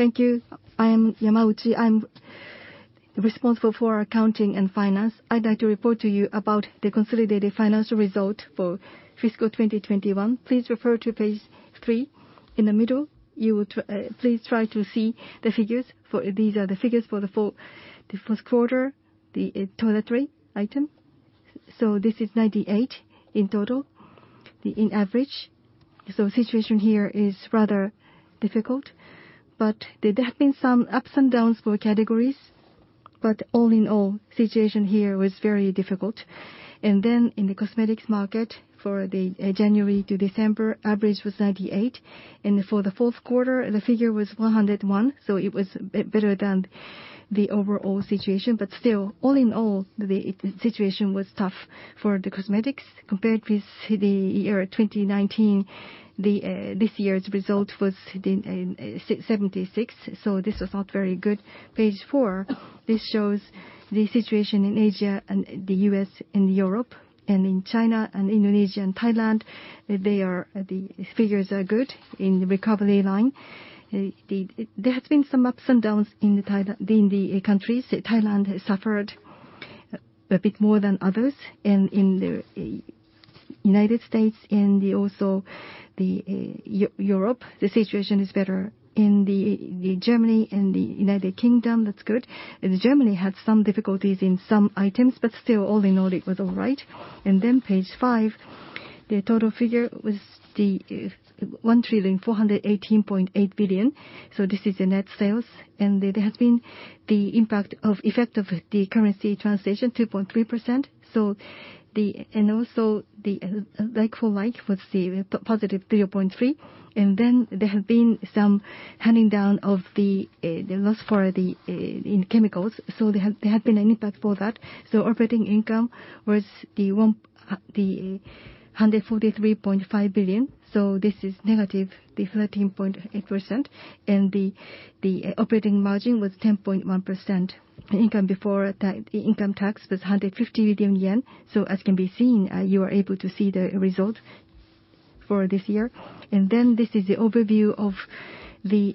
Thank you. I am Yamauchi. I'm responsible for accounting and finance. I'd like to report to you about the consolidated financial result for fiscal 2021. Please refer to page three. In the middle, please try to see the figures for. These are the figures for the fall, the fourth quarter, the toiletry item. This is 98 in total, in average. Situation here is rather difficult. There have been some ups and downs for categories. All in all, situation here was very difficult. In the Cosmetics market for the January to December, average was 98. For the fourth quarter, the figure was 101, so it was better than the overall situation. Still all in all, the situation was tough for the Cosmetics. Compared with the year 2019, this year's result was 76, so this was not very good. Page four, this shows the situation in Asia and the U.S. and Europe. In China and Indonesia and Thailand, the figures are good in the recovery line. There has been some ups and downs in the countries. Thailand has suffered a bit more than others. In the United States and Europe, the situation is better. In Germany and the United Kingdom, that's good. Germany had some difficulties in some items, but still all in all, it was all right. Page five, the total figure was 1,418.8 billion. So this is the net sales. There has been the impact of the effect of the currency translation, 2.3%. The like-for-like was +3.3%. There have been some headwinds from the loss in Chemical. There has been an impact from that. Operating income was 143.5 billion. This is -13.8%. The operating margin was 10.1%. Income before income tax was 150 billion yen. As can be seen, you are able to see the result for this year. This is the overview of the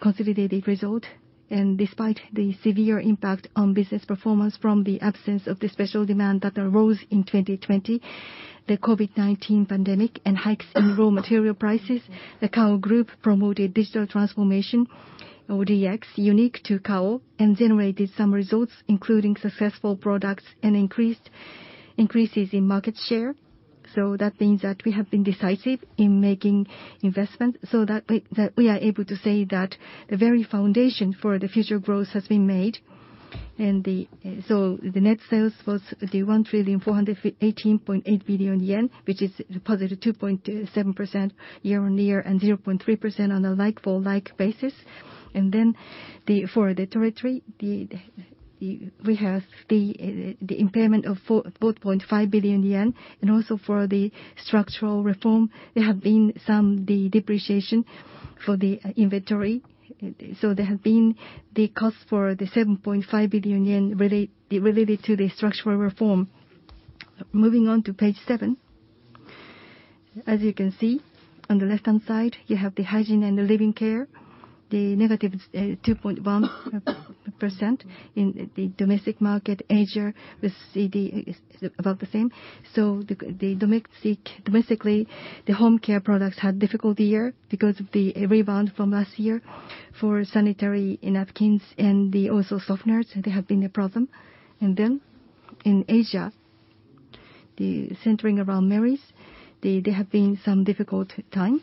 consolidated result. Despite the severe impact on business performance from the absence of the special demand that arose in 2020, the COVID-19 pandemic and hikes in raw material prices, the Kao Group promoted digital transformation or DX unique to Kao and generated some results, including successful products and increases in market share. That means that we have been decisive in making investment so that we are able to say that the very foundation for the future growth has been made. The net sales was 1,418.8 billion yen, which is positive 2.7% year-on-year, and 0.3% on a like-for-like basis. For the territory, we have the impairment of 4.5 billion yen. For the structural reform, there have been some depreciation for the inventory. There have been the cost for 7.5 billion yen related to the structural reform. Moving on to page seven. As you can see on the left-hand side, you have the Hygiene and Living Care, the is -2.1% in the domestic market. Asia was flat, is about the same. Domestically, the Home Care products had difficult year because of the rebound from last year. For sanitary napkins and also softeners, there have been a problem. In Asia, centering around Merries, there have been some difficult times.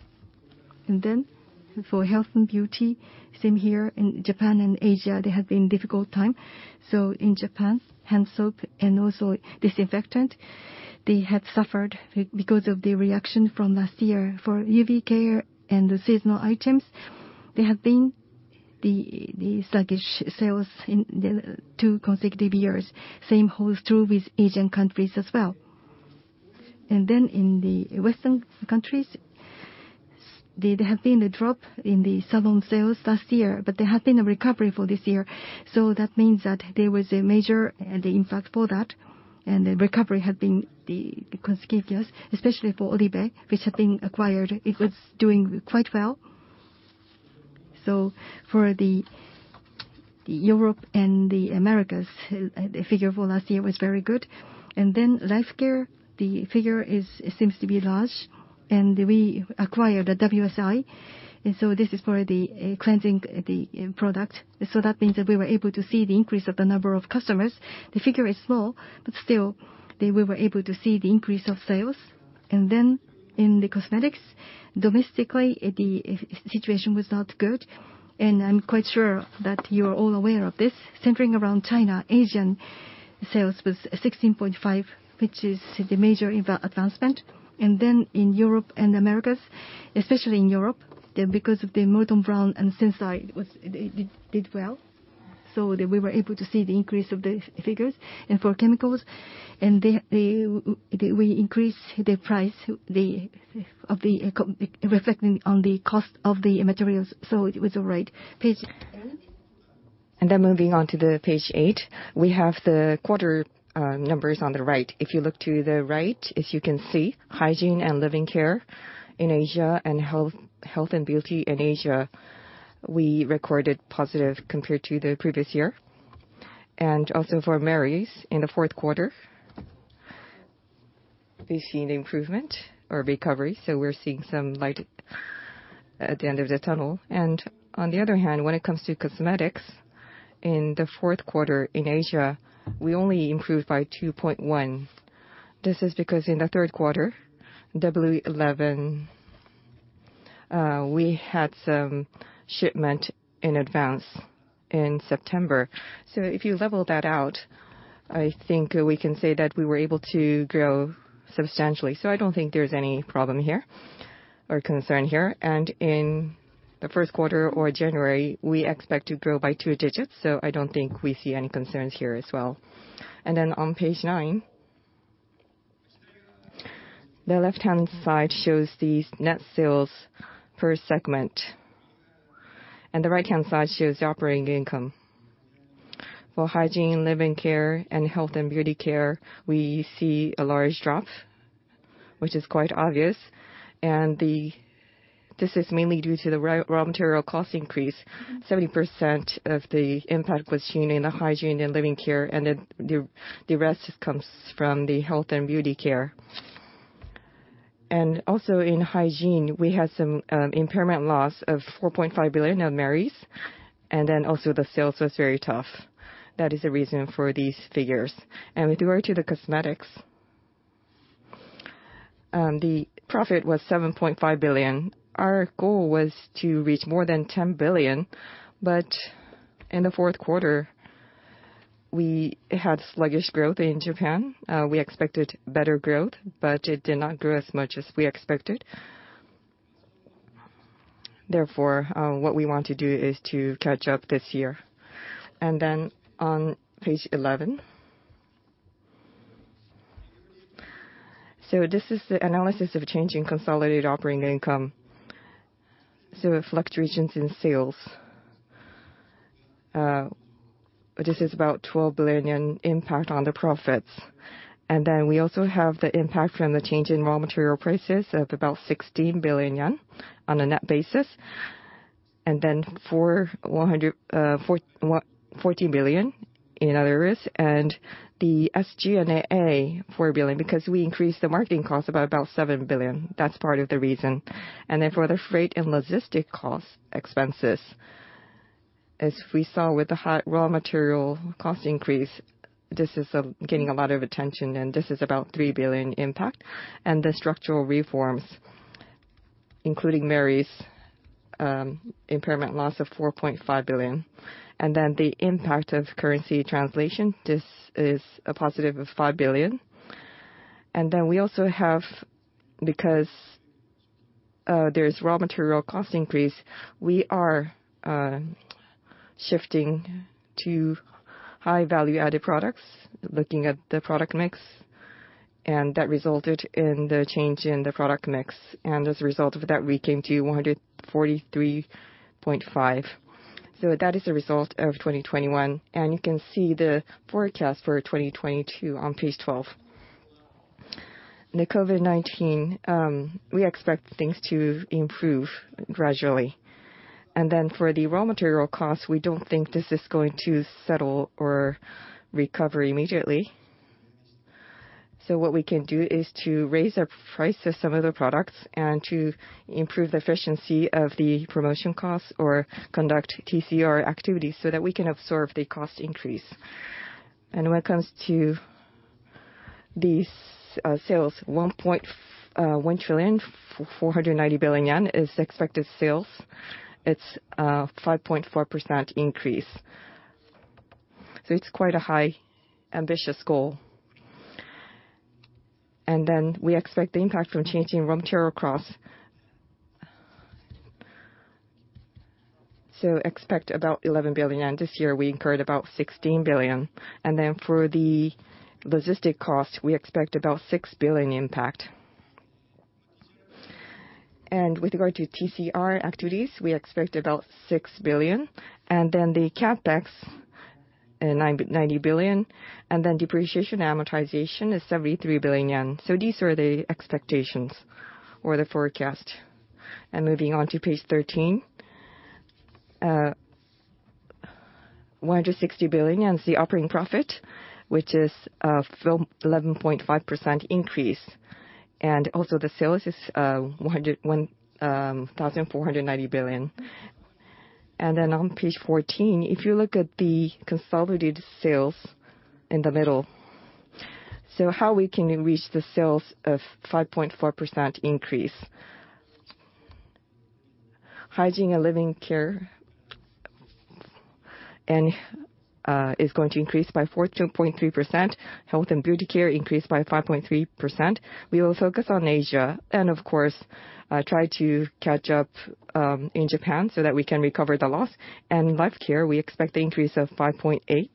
For Health and Beauty, same here in Japan and Asia, there have been difficult times. In Japan, hand soap and also disinfectant, they had suffered because of the reaction from last year. For UV Care and the seasonal items, there have been the sluggish sales in two consecutive years. Same holds true with Asian countries as well. In the Western countries, there have been a drop in the salon sales last year, but there have been a recovery for this year. That means that there was a major the impact for that. The recovery had been the consecutive, especially for OLIVE, which had been acquired. It was doing quite well. For Europe and the Americas, the figure for last year was very good. Life Care, the figure seems to be large. We acquired the WSI. This is for the cleansing, the product. That means that we were able to see the increase of the number of customers. The figure is small, but still they were able to see the increase of sales. In the Cosmetics, domestically, the situation was not good. I'm quite sure that you're all aware of this. Centering around China, Asian sales was 16.5%, which is the major advancement. In Europe and Americas, especially in Europe, because of the Molton Brown and SENSAI, did well. We were able to see the increase of the figures. For Chemicals, we increased the price, reflecting the cost of the materials, so it was all right. Moving on to page eight, we have the quarter numbers on the right. If you look to the right, as you can see, Hygiene and Living Care in Asia and Health and Beauty in Asia, we recorded positive compared to the previous year. For Merries in the fourth quarter, we've seen improvement or recovery. We're seeing some light at the end of the tunnel. When it comes to Cosmetics, in the fourth quarter in Asia, we only improved by 2.1%. This is because in the third quarter, Double 11, we had some shipment in advance in September. If you level that out, I think we can say that we were able to grow substantially. I don't think there's any problem here or concern here. In the first quarter or January, we expect to grow by two digits, so I don't think we see any concerns here as well. On page nine, the left-hand side shows these net sales per segment, and the right-hand side shows the operating income. For Hygiene and Living Care, and Health and Beauty Care, we see a large drop, which is quite obvious. This is mainly due to the raw material cost increase. 70% of the impact was seen in the Hygiene and Living Care, and the rest comes from the Health and Beauty Care. In Hygiene, we had an impairment loss of 4.5 billion at Merries, and the sales were very tough. That is the reason for these figures. With regard to the Cosmetics, the profit was 7.5 billion. Our goal was to reach more than 10 billion. In the fourth quarter, we had sluggish growth in Japan. We expected better growth, but it did not grow as much as we expected. Therefore, what we want to do is to catch up this year. On page 11. This is the analysis of change in consolidated operating income. Fluctuations in sales, this is about 12 billion impact on the profits. We also have the impact from the change in raw material prices of about 16 billion yen on a net basis. For 114 billion in other risks. The SG&A, 4 billion, because we increased the marketing cost by about 7 billion. That's part of the reason. For the freight and logistics costs expenses, as we saw with the high raw material cost increase, this is getting a lot of attention, and this is about 3 billion impact. The structural reforms, including Merries impairment loss of 4.5 billion. The impact of currency translation, this is a +5 billion. We also have, because there's raw material cost increase, we are shifting to high value-added products, looking at the product mix, and that resulted in the change in the product mix. As a result of that, we came to 143.5 billion. That is the result of 2021. You can see the forecast for 2022 on page 12. The COVID-19, we expect things to improve gradually. For the raw material costs, we don't think this is going to settle or recover immediately. What we can do is to raise our prices some of the products and to improve the efficiency of the promotion costs or conduct TCR activities so that we can absorb the cost increase. When it comes to these sales, 1,490 billion yen is expected sales. It's a 5.4% increase. It's quite a high ambitious goal. We expect the impact from changing raw material costs, about 11 billion. This year, we incurred about 16 billion. For the logistic costs, we expect about 6 billion impact. With regard to TCR activities, we expect about 6 billion. The CapEx, 90 billion. Depreciation amortization is 73 billion yen. These are the expectations or the forecast. Moving on to page 13. 160 billion is the operating profit, which is from 11.5% increase. Also the sales is 1,490 billion. On page 14, if you look at the consolidated sales in the middle. How we can reach the sales of 5.4% increase? Hygiene and Living Care is going to increase by 14.3%. Health and Beauty Care increase by 5.3%. We will focus on Asia and of course try to catch up in Japan so that we can recover the loss. Life Care, we expect an increase of 5.8%.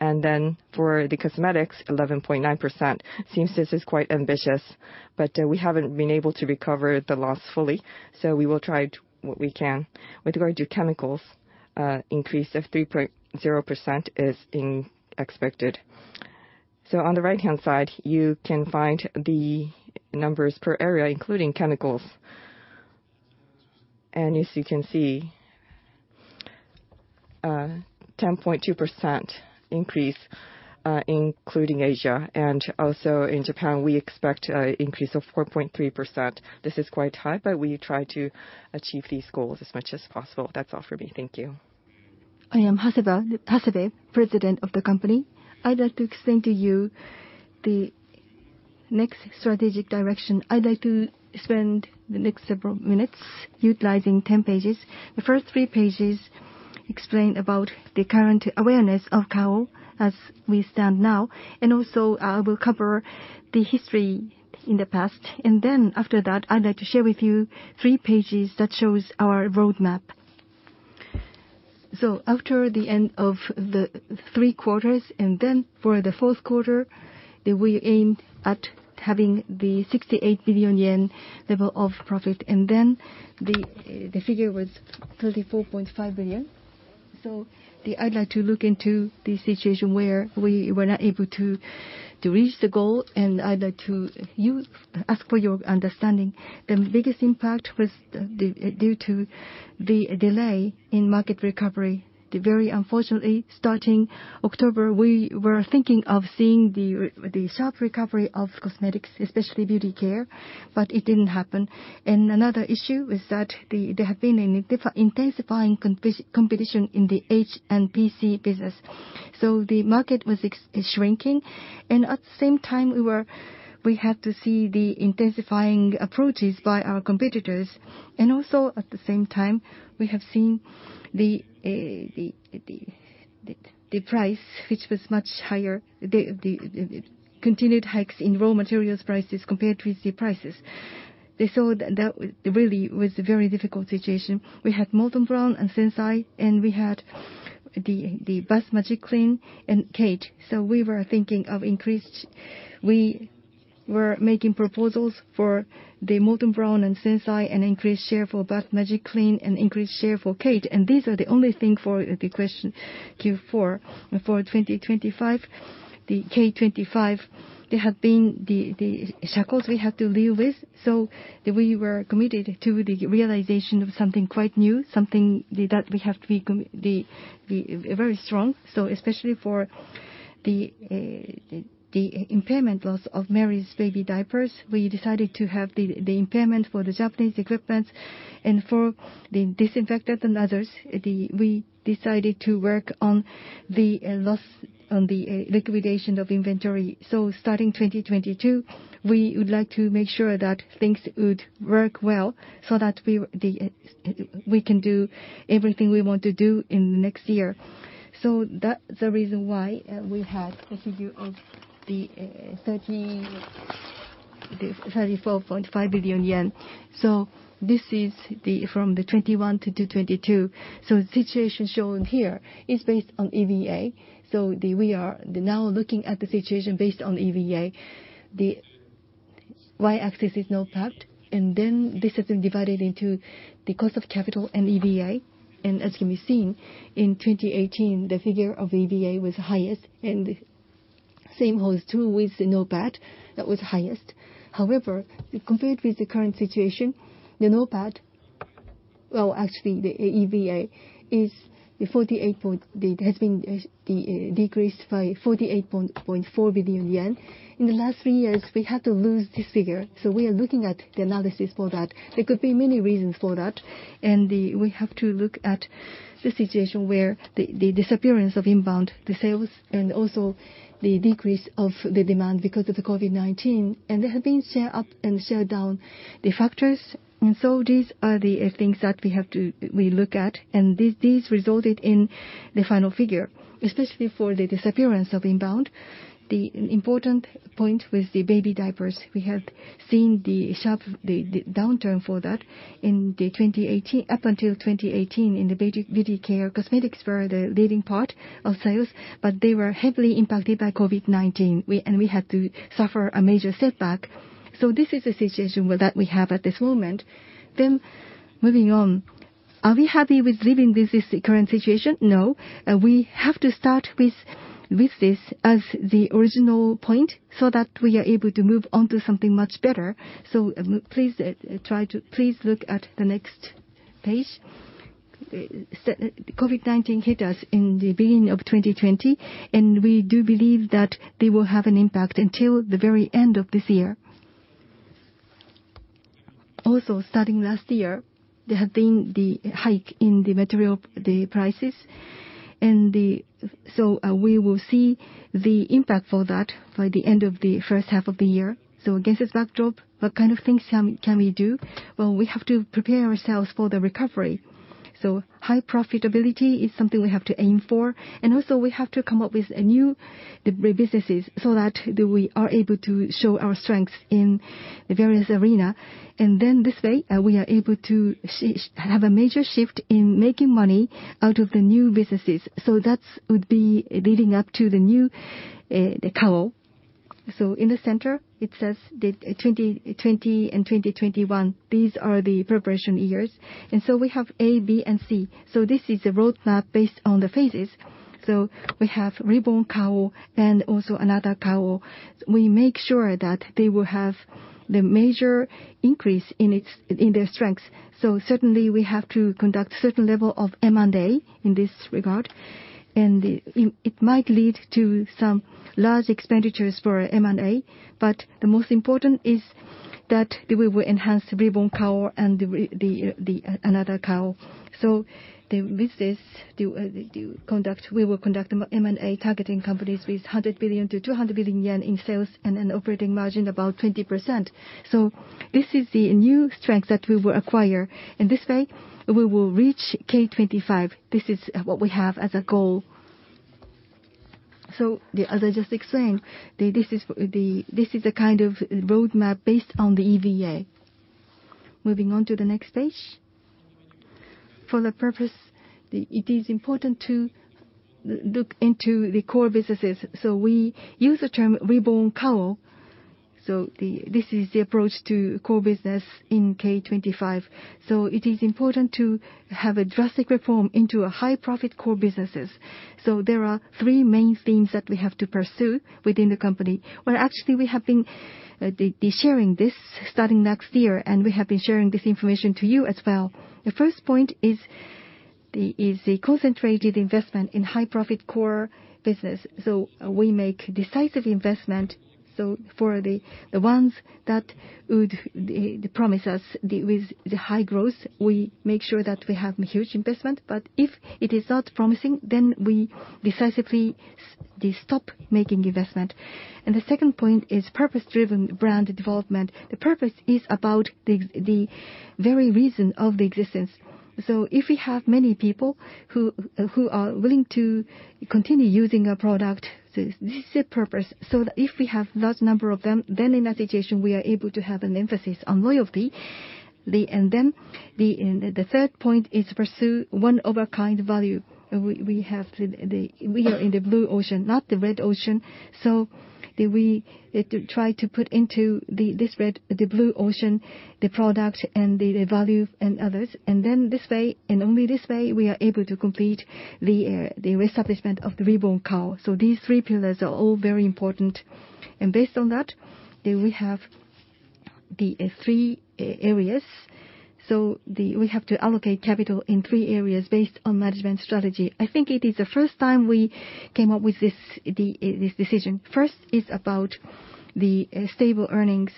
Then for the Cosmetics, 11.9%. Seems this is quite ambitious, but we haven't been able to recover the loss fully, so we will try to do what we can. With regard to Chemicals, an increase of 3.0% is being expected. On the right-hand side, you can find the numbers per area, including Chemicals. As you can see, 10.2% increase, including Asia. Also in Japan, we expect an increase of 4.3%. This is quite high, but we try to achieve these goals as much as possible. That's all for me. Thank you. I am Hasebe, President of the company. I'd like to explain to you the next strategic direction. I'd like to spend the next several minutes utilizing 10 pages. The first three pages explain about the current awareness of Kao as we stand now, and also I will cover the history in the past. Then after that, I'd like to share with you three pages that shows our roadmap. After the end of the three quarters, and then for the fourth quarter, that we aimed at having the 68 billion yen level of profit. Then the figure was 34.5 billion. I'd like to look into the situation where we were not able to reach the goal, and I'd like to ask for your understanding. The biggest impact was due to the delay in market recovery. Very unfortunately, starting October, we were thinking of seeing the sharp recovery of Cosmetics, especially beauty care, but it didn't happen. Another issue is that there have been an intensifying competition in the H&PC business. The market is shrinking. At the same time, we had to see the intensifying approaches by our competitors. Also at the same time, we have seen the price, which was much higher. The continued hikes in raw materials prices compared to EC prices. We saw that really was a very difficult situation. We had Molton Brown and SENSAI, and we had the Bath Magiclean and KATE. We were thinking of increased... We were making proposals for the Molton Brown and SENSAI, an increased share for Bath Magiclean, an increased share for KATE. These are the only thing for the question, Q4. For 2025, the K25, there have been the shackles we have to live with. We were committed to the realization of something quite new, something that we have to be very strong. Especially for the impairment loss of Merries Baby Diapers, we decided to have the impairment for the Japanese equipment. For the disinfectant and others, we decided to work on the loss on the liquidation of inventory. Starting 2022, we would like to make sure that things would work well so that we can do everything we want to do in the next year. That's the reason why we had the figure of the 34.5 billion yen. This is from the 2021 to the 2022. The situation shown here is based on EVA. We are now looking at the situation based on EVA. The y-axis is NOPAT, and then this has been divided into the cost of capital and EVA. As can be seen, in 2018, the figure of EVA was highest, and same holds true with the NOPAT. That was highest. However, compared with the current situation, the NOPAT, well, actually the EVA, is the 48.4 billion. It has been decreased by 48.4 billion yen. In the last three years, we had to lose this figure, so we are looking at the analysis for that. There could be many reasons for that. We have to look at the situation where the disappearance of inbound sales, and also the decrease of the demand because of the COVID-19. There have been share up and share down factors. These are the things that we have to look at, and these resulted in the final figure. Especially for the disappearance of inbound, the important point was the Baby Diapers. We have seen the sharp downturn for that in 2018. Up until 2018 in the baby beauty care, Cosmetics were the leading part of sales, but they were heavily impacted by COVID-19. We had to suffer a major setback. This is the situation that we have at this moment. Moving on. Are we happy with living with this current situation? No. We have to start with this as the original point so that we are able to move on to something much better. Please look at the next page. COVID-19 hit us in the beginning of 2020, and we do believe that they will have an impact until the very end of this year. Also, starting last year, there have been the hike in the material prices. We will see the impact for that by the end of the first half of the year. Against this backdrop, what kind of things can we do? Well, we have to prepare ourselves for the recovery. High profitability is something we have to aim for. We also have to come up with new businesses so that we are able to show our strengths in the various arena. This way, we are able to have a major shift in making money out of the new businesses. That would be leading up to the new Kao. In the center, it says 2020 and 2021. These are the preparation years. We have A, B, and C. This is a roadmap based on the phases. We have Reborn Kao and also Another Kao. We make sure that they will have the major increase in their strengths. Certainly, we have to conduct certain level of M&A in this regard, and it might lead to some large expenditures for M&A. The most important is that we will enhance Reborn Kao and the Another Kao. The business we will conduct M&A targeting companies with 100 billion-200 billion yen in sales and an operating margin about 20%. This is the new strength that we will acquire. In this way, we will reach K25. This is what we have as a goal. The other just explained this is the kind of roadmap based on the EVA. Moving on to the next page. For the purpose, it is important to look into the core businesses. We use the term Reborn Kao. This is the approach to core business in K25. It is important to have a drastic reform into a high-profit core businesses. There are three main themes that we have to pursue within the company. Well, actually, we have been sharing this starting next year, and we have been sharing this information to you as well. The first point is the concentrated investment in high-profit core business. We make decisive investment. For the ones that would promise us with the high growth, we make sure that we have huge investment. If it is not promising, then we decisively stop making investment. The second point is purpose-driven brand development. The purpose is about the very reason of the existence. If we have many people who are willing to continue using our product, this is the purpose. If we have large number of them, then in that situation, we are able to have an emphasis on loyalty. The third point is pursue one of a kind value. We are in the blue ocean, not the red ocean. We try to put into the blue ocean the product and the value and others. This way, and only this way, we are able to complete the re-establishment of the Reborn Kao. These three pillars are all very important. Based on that, we have the three areas. We have to allocate capital in three areas based on management strategy. I think it is the first time we came up with this decision. First is about stable earnings.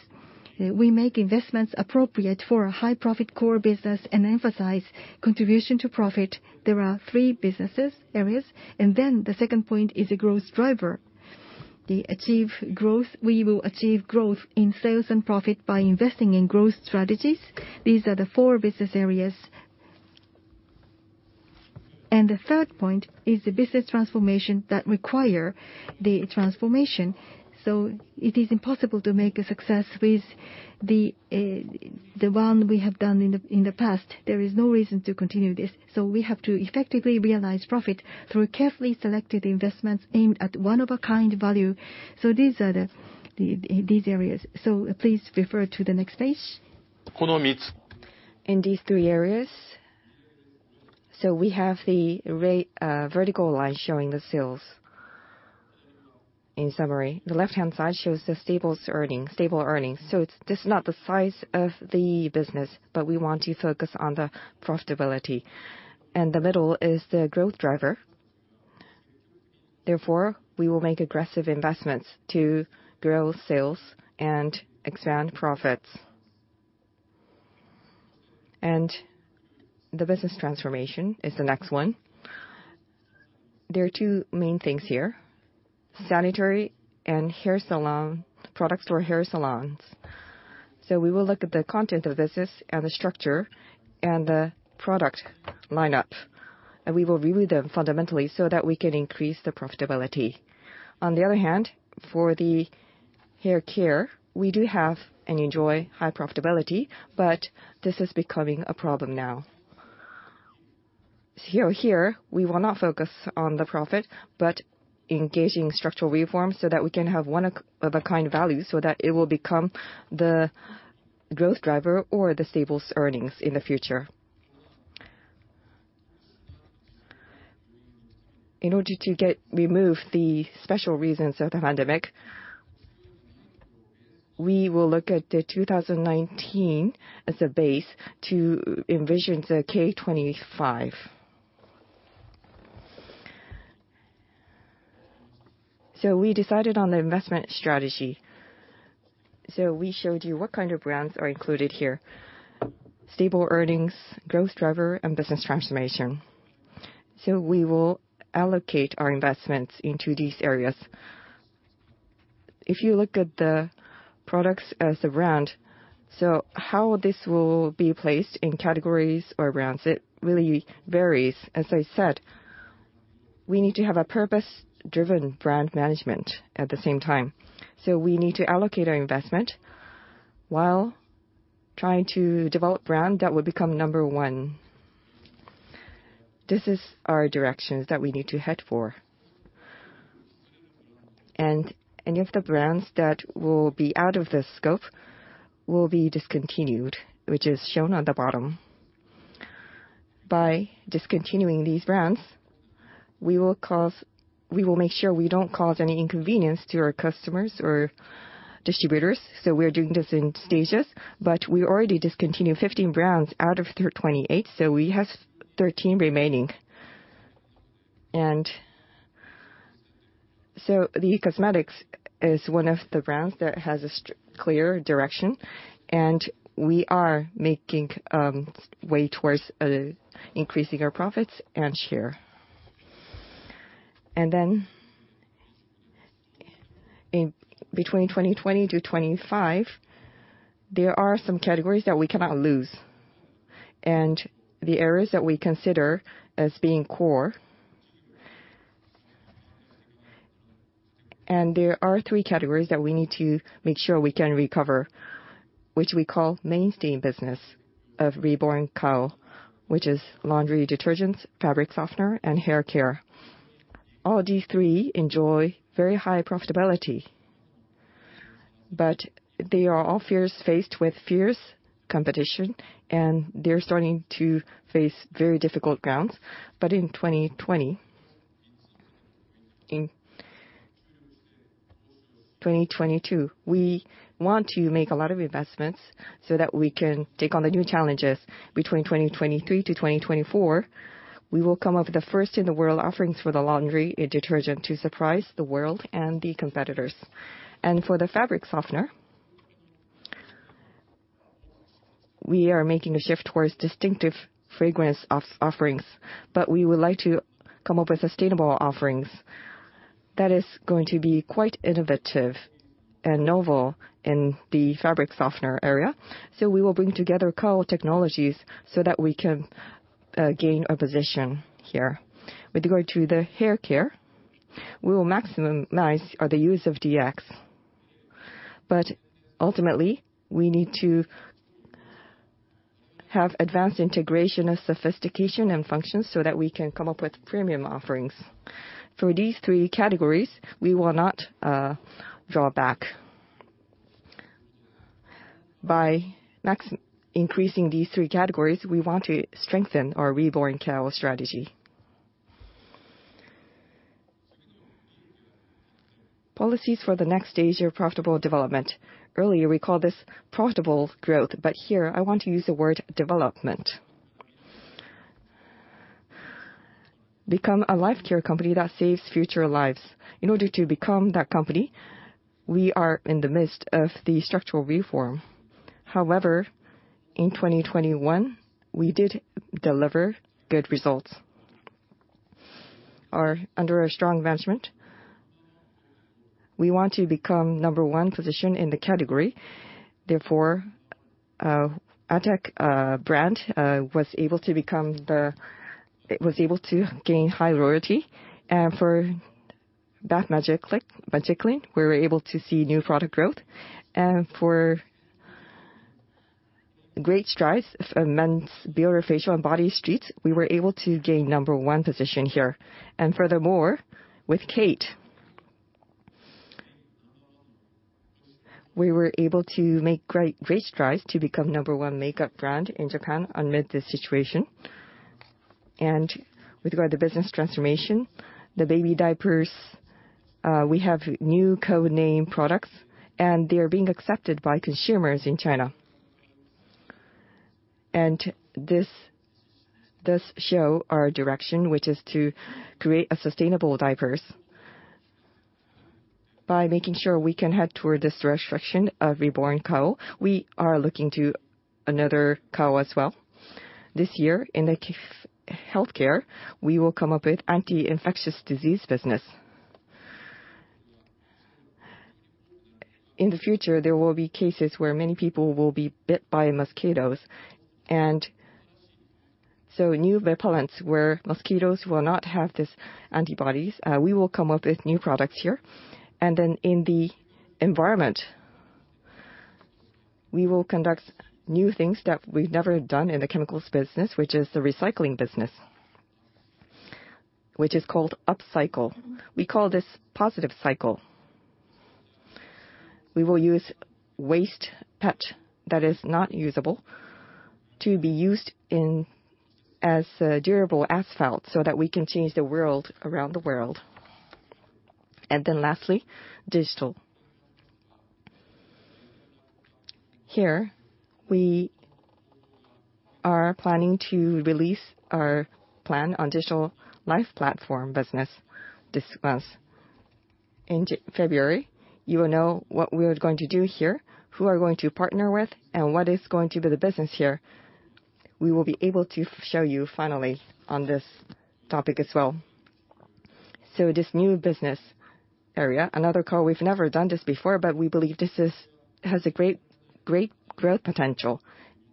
We make investments appropriate for a high-profit core business and emphasize contribution to profit. There are three business areas. The second point is a growth driver. To achieve growth, we will achieve growth in sales and profit by investing in growth strategies. These are the four business areas. The third point is the business transformation that require the transformation. It is impossible to make a success with the one we have done in the past. There is no reason to continue this. We have to effectively realize profit through carefully selected investments aimed at one-of-a-kind value. These are the areas. Please refer to the next page. In these three areas, we have the right vertical line showing the sales. In summary, the left-hand side shows the stable earnings. This is not the size of the business, but we want to focus on the profitability. The middle is the growth driver. Therefore, we will make aggressive investments to grow sales and expand profits. The business transformation is the next one. There are two main things here, sanitary and hair salon products for hair salons. We will look at the content of business, and the structure and the product lineup, and we will review them fundamentally so that we can increase the profitability. On the other hand, for the hair care, we do have and enjoy high profitability, but this is becoming a problem now. Here, we will not focus on the profit, but engaging structural reforms so that we can have one of a kind value, so that it will become the growth driver or the stable earnings in the future. In order to get rid of the special reasons of the pandemic, we will look at 2019 as a base to envision the K25. We decided on the investment strategy. We showed you what kind of brands are included here. Stable earnings, growth driver and business transformation. We will allocate our investments into these areas. If you look at the products as a brand, how this will be placed in categories or brands, it really varies. As I said, we need to have a purpose-driven brand management at the same time. We need to allocate our investment while trying to develop brand that would become number one. This is our directions that we need to head for. Any of the brands that will be out of the scope will be discontinued, which is shown on the bottom. By discontinuing these brands, we will make sure we don't cause any inconvenience to our customers or distributors, so we are doing this in stages. We already discontinued 15 brands out of 28, so we have 13 remaining. The COSMEDIX is one of the brands that has a clear direction, and we are making way towards increasing our profits and share. In between 2020-2025, there are some categories that we cannot lose, and the areas that we consider as being core. There are three categories that we need to make sure we can recover, which we call mainstay business of Reborn Kao, which is laundry detergents, fabric softener, and hair care. All these three enjoy very high profitability, but they are all faced with fierce competition, and they're starting to face very difficult grounds. In 2020, in 2022, we want to make a lot of investments so that we can take on the new challenges. Between 2023-2024, we will come up with the first-in-the-world offerings for the laundry detergent to surprise the world and the competitors. For the fabric softener, we are making a shift towards distinctive fragrance offerings, but we would like to come up with sustainable offerings that is going to be quite innovative and novel in the fabric softener area. We will bring together Kao technologies so that we can gain a position here. With regard to the hair care, we will maximize the use of DX. Ultimately, we need to have advanced integration of sophistication and functions so that we can come up with premium offerings. For these three categories, we will not draw back. By increasing these three categories, we want to strengthen our Reborn Kao strategy. Policies for the next stage are profitable development. Earlier, we called this profitable growth, but here I want to use the word development. Become a Life Care company that saves future lives. In order to become that company, we are in the midst of the structural reform. However, in 2021, we did deliver good results. Under our strong management, we want to become number one position in the category. Therefore, our Attack brand was able to gain high loyalty. For Bath Magiclean, we were able to see new product growth. We were able to make great strides in men's beard, facial, and body sheets and gain the number one position here. Furthermore, with KATE, we were able to make great strides to become the number one makeup brand in Japan amid this situation. With regard to business transformation, the Baby Diapers we have new code-name products, and they are being accepted by consumers in China. This does show our direction, which is to create a sustainable diapers. By making sure we can head toward the strategy of Reborn Kao, we are looking to Another Kao as well. This year in the Kao healthcare, we will come up with anti-infectious disease business. In the future, there will be cases where many people will be bit by mosquitoes and so new repellents where mosquitoes will not have these antibodies, we will come up with new products here. In the environment, we will conduct new things that we've never done in the Chemicals business, which is the recycling business, which is called upcycle. We call this positive cycle. We will use waste PET that is not usable to be used in as durable asphalt, so that we can change the world around the world. Lastly, Digital. Here we are planning to release our plan on Digital Life Platform business this month. In February, you will know what we are going to do here, who we are going to partner with, and what is going to be the business here. We will be able to show you finally on this topic as well. This new business area, Another Kao, we've never done this before, but we believe this has great growth potential.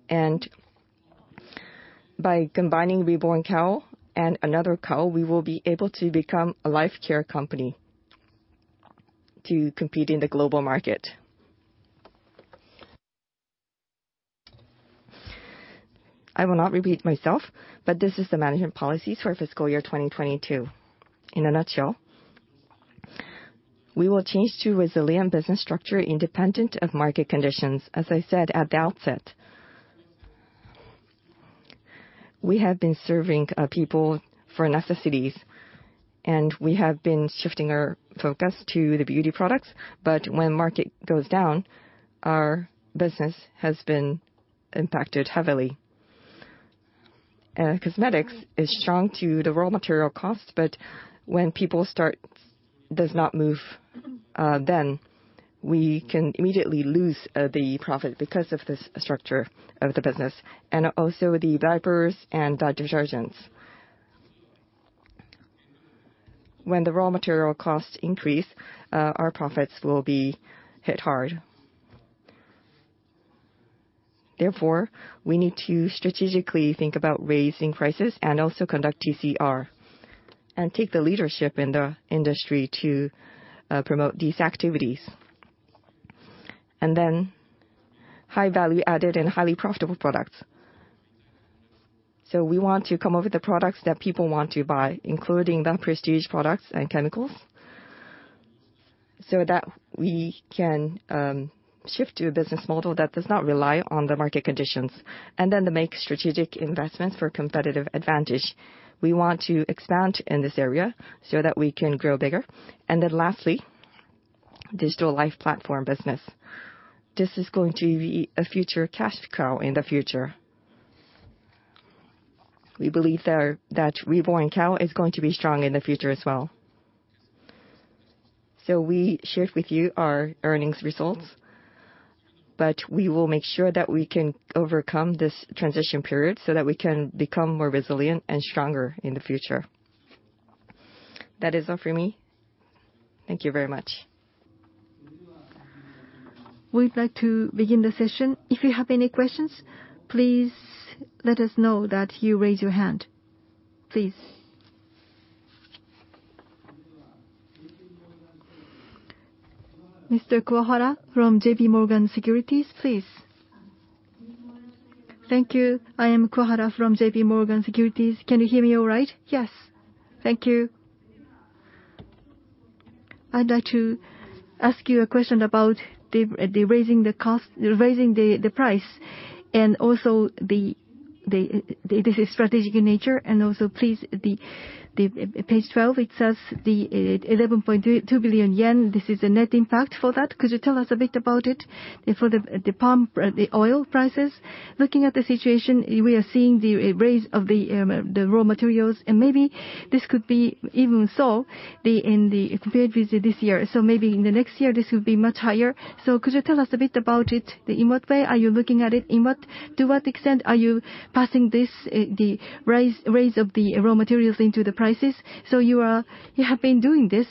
By combining Reborn Kao and Another Kao, we will be able to become a Life Care company to compete in the global market. I will not repeat myself, but this is the management policy for fiscal year 2022. In a nutshell, we will change to resilient business structure independent of market conditions, as I said at the outset. We have been serving people for necessities, and we have been shifting our focus to the beauty products. When market goes down, our business has been impacted heavily. Cosmetics is strong to the raw material cost, but when it does not move, then we can immediately lose the profit because of this structure of the business and also the diapers and the detergents. When the raw material costs increase, our profits will be hit hard. Therefore, we need to strategically think about raising prices and also conduct TCR and take the leadership in the industry to promote these activities. High-value-added and highly profitable products. We want to come up with the products that people want to buy, including the prestige products and Chemicals, so that we can shift to a business model that does not rely on the market conditions. To make strategic investments for competitive advantage, we want to expand in this area so that we can grow bigger. Lastly, Digital Life Platform business. This is going to be a future cash cow in the future. We believe that Reborn Kao is going to be strong in the future as well. We shared with you our earnings results, but we will make sure that we can overcome this transition period so that we can become more resilient and stronger in the future. That is all for me. Thank you very much. We'd like to begin the session. If you have any questions, please let us know that you raise your hand, please. Mr. Kuwahara from J.P. Morgan Securities, please. Thank you. I am Kuwahara from J.P. Morgan Securities. Can you hear me all right? Yes. Thank you. I'd like to ask you a question about raising the cost, raising the price. This is strategic in nature. Please, page 12, it says the 11.2 billion yen, this is the net impact for that. Could you tell us a bit about it for the palm oil prices? Looking at the situation, we are seeing the rise of the raw materials, and maybe this could be even higher in the period we see this year. Maybe in the next year, this will be much higher. Could you tell us a bit about it? In what way are you looking at it? To what extent are you passing this, the raise of the raw materials into the prices? You have been doing this,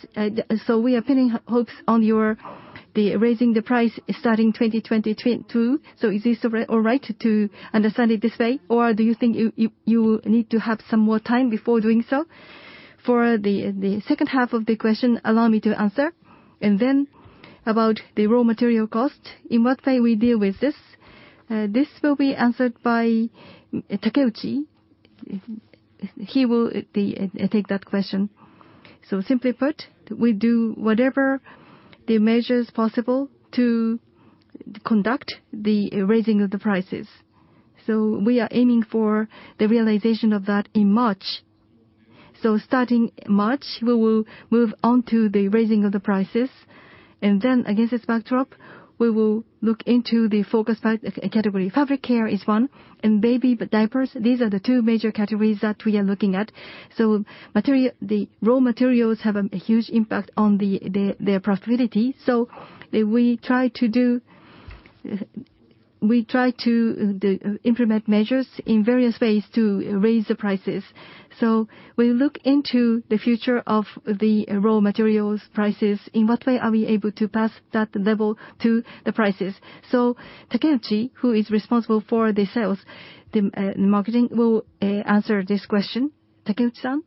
we are pinning hopes on your raising the price starting 2022. Is this all right to understand it this way? Or do you think you need to have some more time before doing so? For the second half of the question, allow me to answer. Then about the raw material cost, in what way we deal with this? This will be answered by Takeuchi. He will take that question. Simply put, we do whatever measures possible to conduct the raising of the prices. We are aiming for the realization of that in March. Starting March, we will move on to the raising of the prices. Against this backdrop, we will look into the focus by category. Fabric Care is one, and Baby Diapers. These are the two major categories that we are looking at. Material, the raw materials have a huge impact on their profitability. We try to implement measures in various ways to raise the prices. We look into the future of the raw materials prices. In what way are we able to pass that level to the prices? Takeuchi, who is responsible for the sales, the marketing, will answer this question. Takeuchi-san.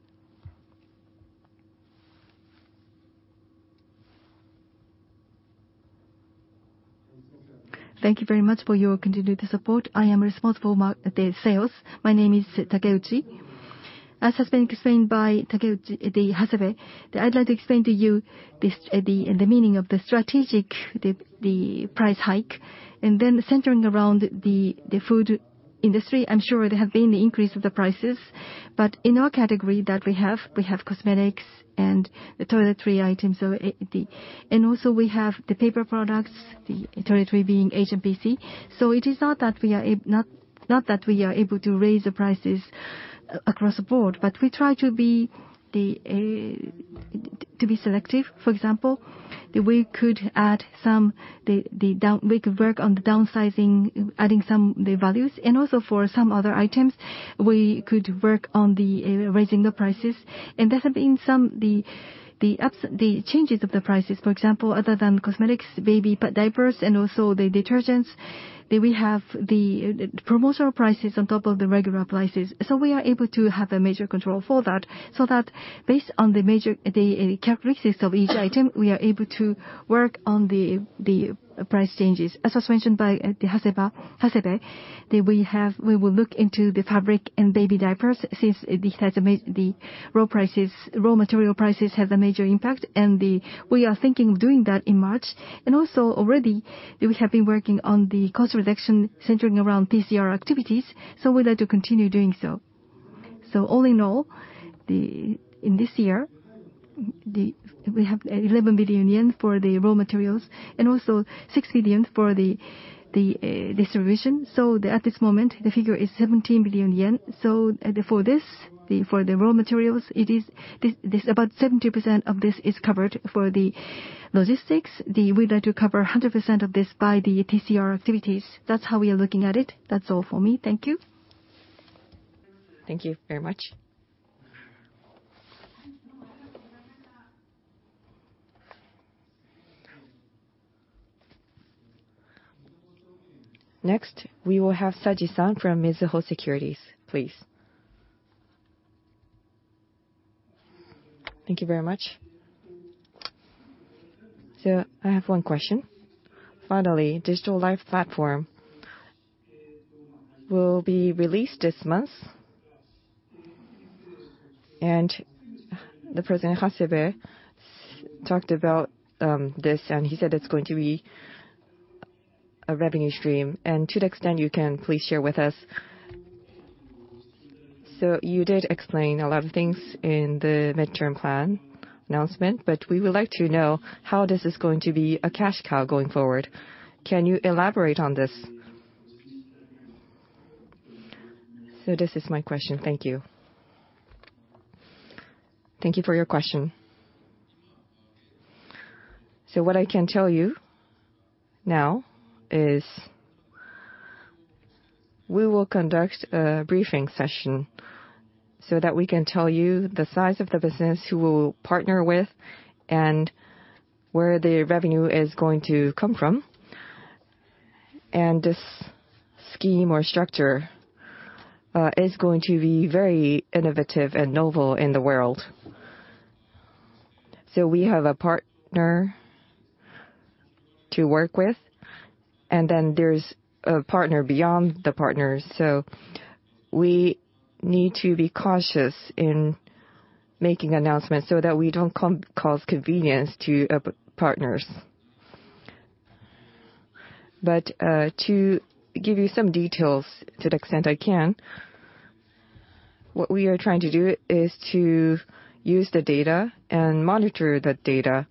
Thank you very much for your continued support. I am responsible for the sales. My name is Takeuchi. As has been explained by Takeuchi, Hasebe, I'd like to explain to you the meaning of the strategic price hike. Centering around the food industry, I'm sure there have been the increase of the prices. But in our category that we have, we have Cosmetics and the toiletry items. And also we have the paper products, the toiletry being FMCG. It is not that we are able to raise the prices across the board, but we try to be selective. For example, we could work on the downsizing, adding some values. Also for some other items, we could work on raising the prices. There have been some the The changes of the prices, for example, other than Cosmetics, Baby Diapers and also the detergents, that we have the promotional prices on top of the regular prices. We are able to have a major control for that, so that based on the characteristics of each item, we are able to work on the price changes. As was mentioned by the Hasebe, that we will look into the Fabric and Baby Diapers since the raw material prices have a major impact. We are thinking of doing that in March. We have already been working on the cost reduction centering around TCR activities, so we'd like to continue doing so. All in all, in this year, we have 11 billion yen for the raw materials and also 6 billion for the distribution. At this moment the figure is 17 billion yen. For this, for the raw materials, it is about 70% of this is covered for the logistics. We'd like to cover 100% of this by the TCR activities. That's how we are looking at it. That's all for me. Thank you. Thank you very much. Next, we will have Saji-san from Mizuho Securities, please. Thank you very much. I have one question. Finally, Digital Life Platform will be released this month. The President Hasebe talked about this and he said it's going to be a revenue stream. To the extent you can, please share with us. You did explain a lot of things in the mid-term plan announcement, but we would like to know how this is going to be a cash cow going forward. Can you elaborate on this? This is my question. Thank you. Thank you for your question. What I can tell you now is we will conduct a briefing session so that we can tell you the size of the business, who we'll partner with, and where the revenue is going to come from. This scheme or structure is going to be very innovative and novel in the world. We have a partner to work with, and then there's a partner beyond the partners. We need to be cautious in making announcements so that we don't cause inconvenience to partners. To give you some details to the extent I can, what we are trying to do is to use the data and monitor the data,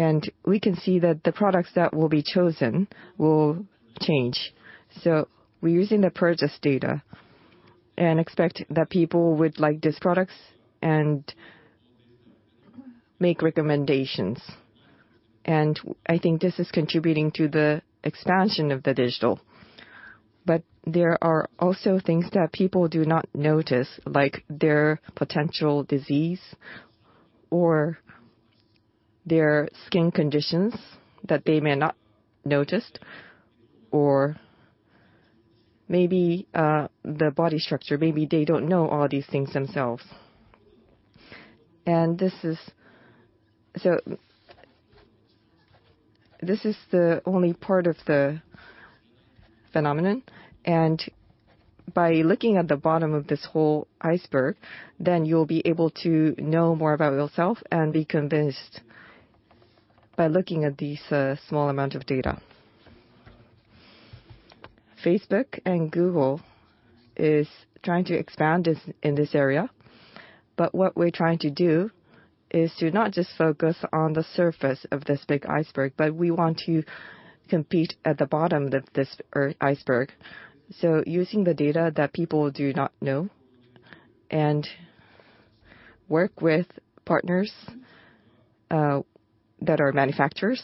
and we can see that the products that will be chosen will change. We're using the purchase data and expect that people would like these products and make recommendations. I think this is contributing to the expansion of the Digital. There are also things that people do not notice, like their potential disease or their skin conditions that they may not noticed or maybe their body structure. Maybe they don't know all these things themselves. This is the only part of the phenomenon. By looking at the bottom of this whole iceberg, you'll be able to know more about yourself and be convinced by looking at these small amount of data. Facebook and Google is trying to expand this in this area, but what we're trying to do is to not just focus on the surface of this big iceberg, but we want to compete at the bottom of this earth iceberg. Using the data that people do not know and work with partners that are manufacturers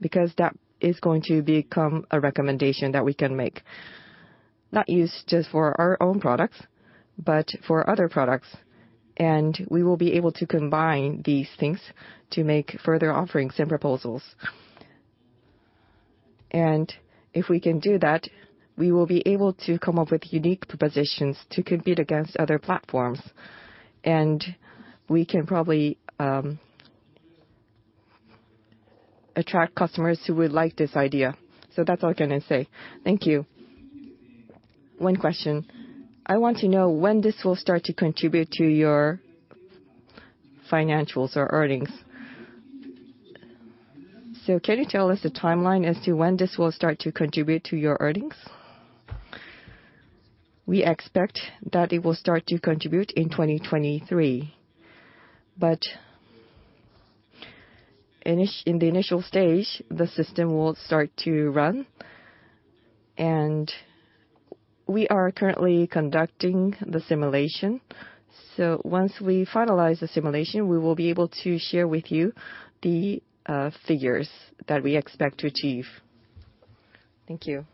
because that is going to become a recommendation that we can make. Not used just for our own products, but for other products. We will be able to combine these things to make further offerings and proposals. If we can do that, we will be able to come up with unique propositions to compete against other platforms. We can probably attract customers who would like this idea. That's all I'm gonna say. Thank you. One question. I want to know when this will start to contribute to your financials or earnings. Can you tell us the timeline as to when this will start to contribute to your earnings? We expect that it will start to contribute in 2023. But in the initial stage, the system will start to run, and we are currently conducting the simulation. Once we finalize the simulation, we will be able to share with you the figures that we expect to achieve. Thank you.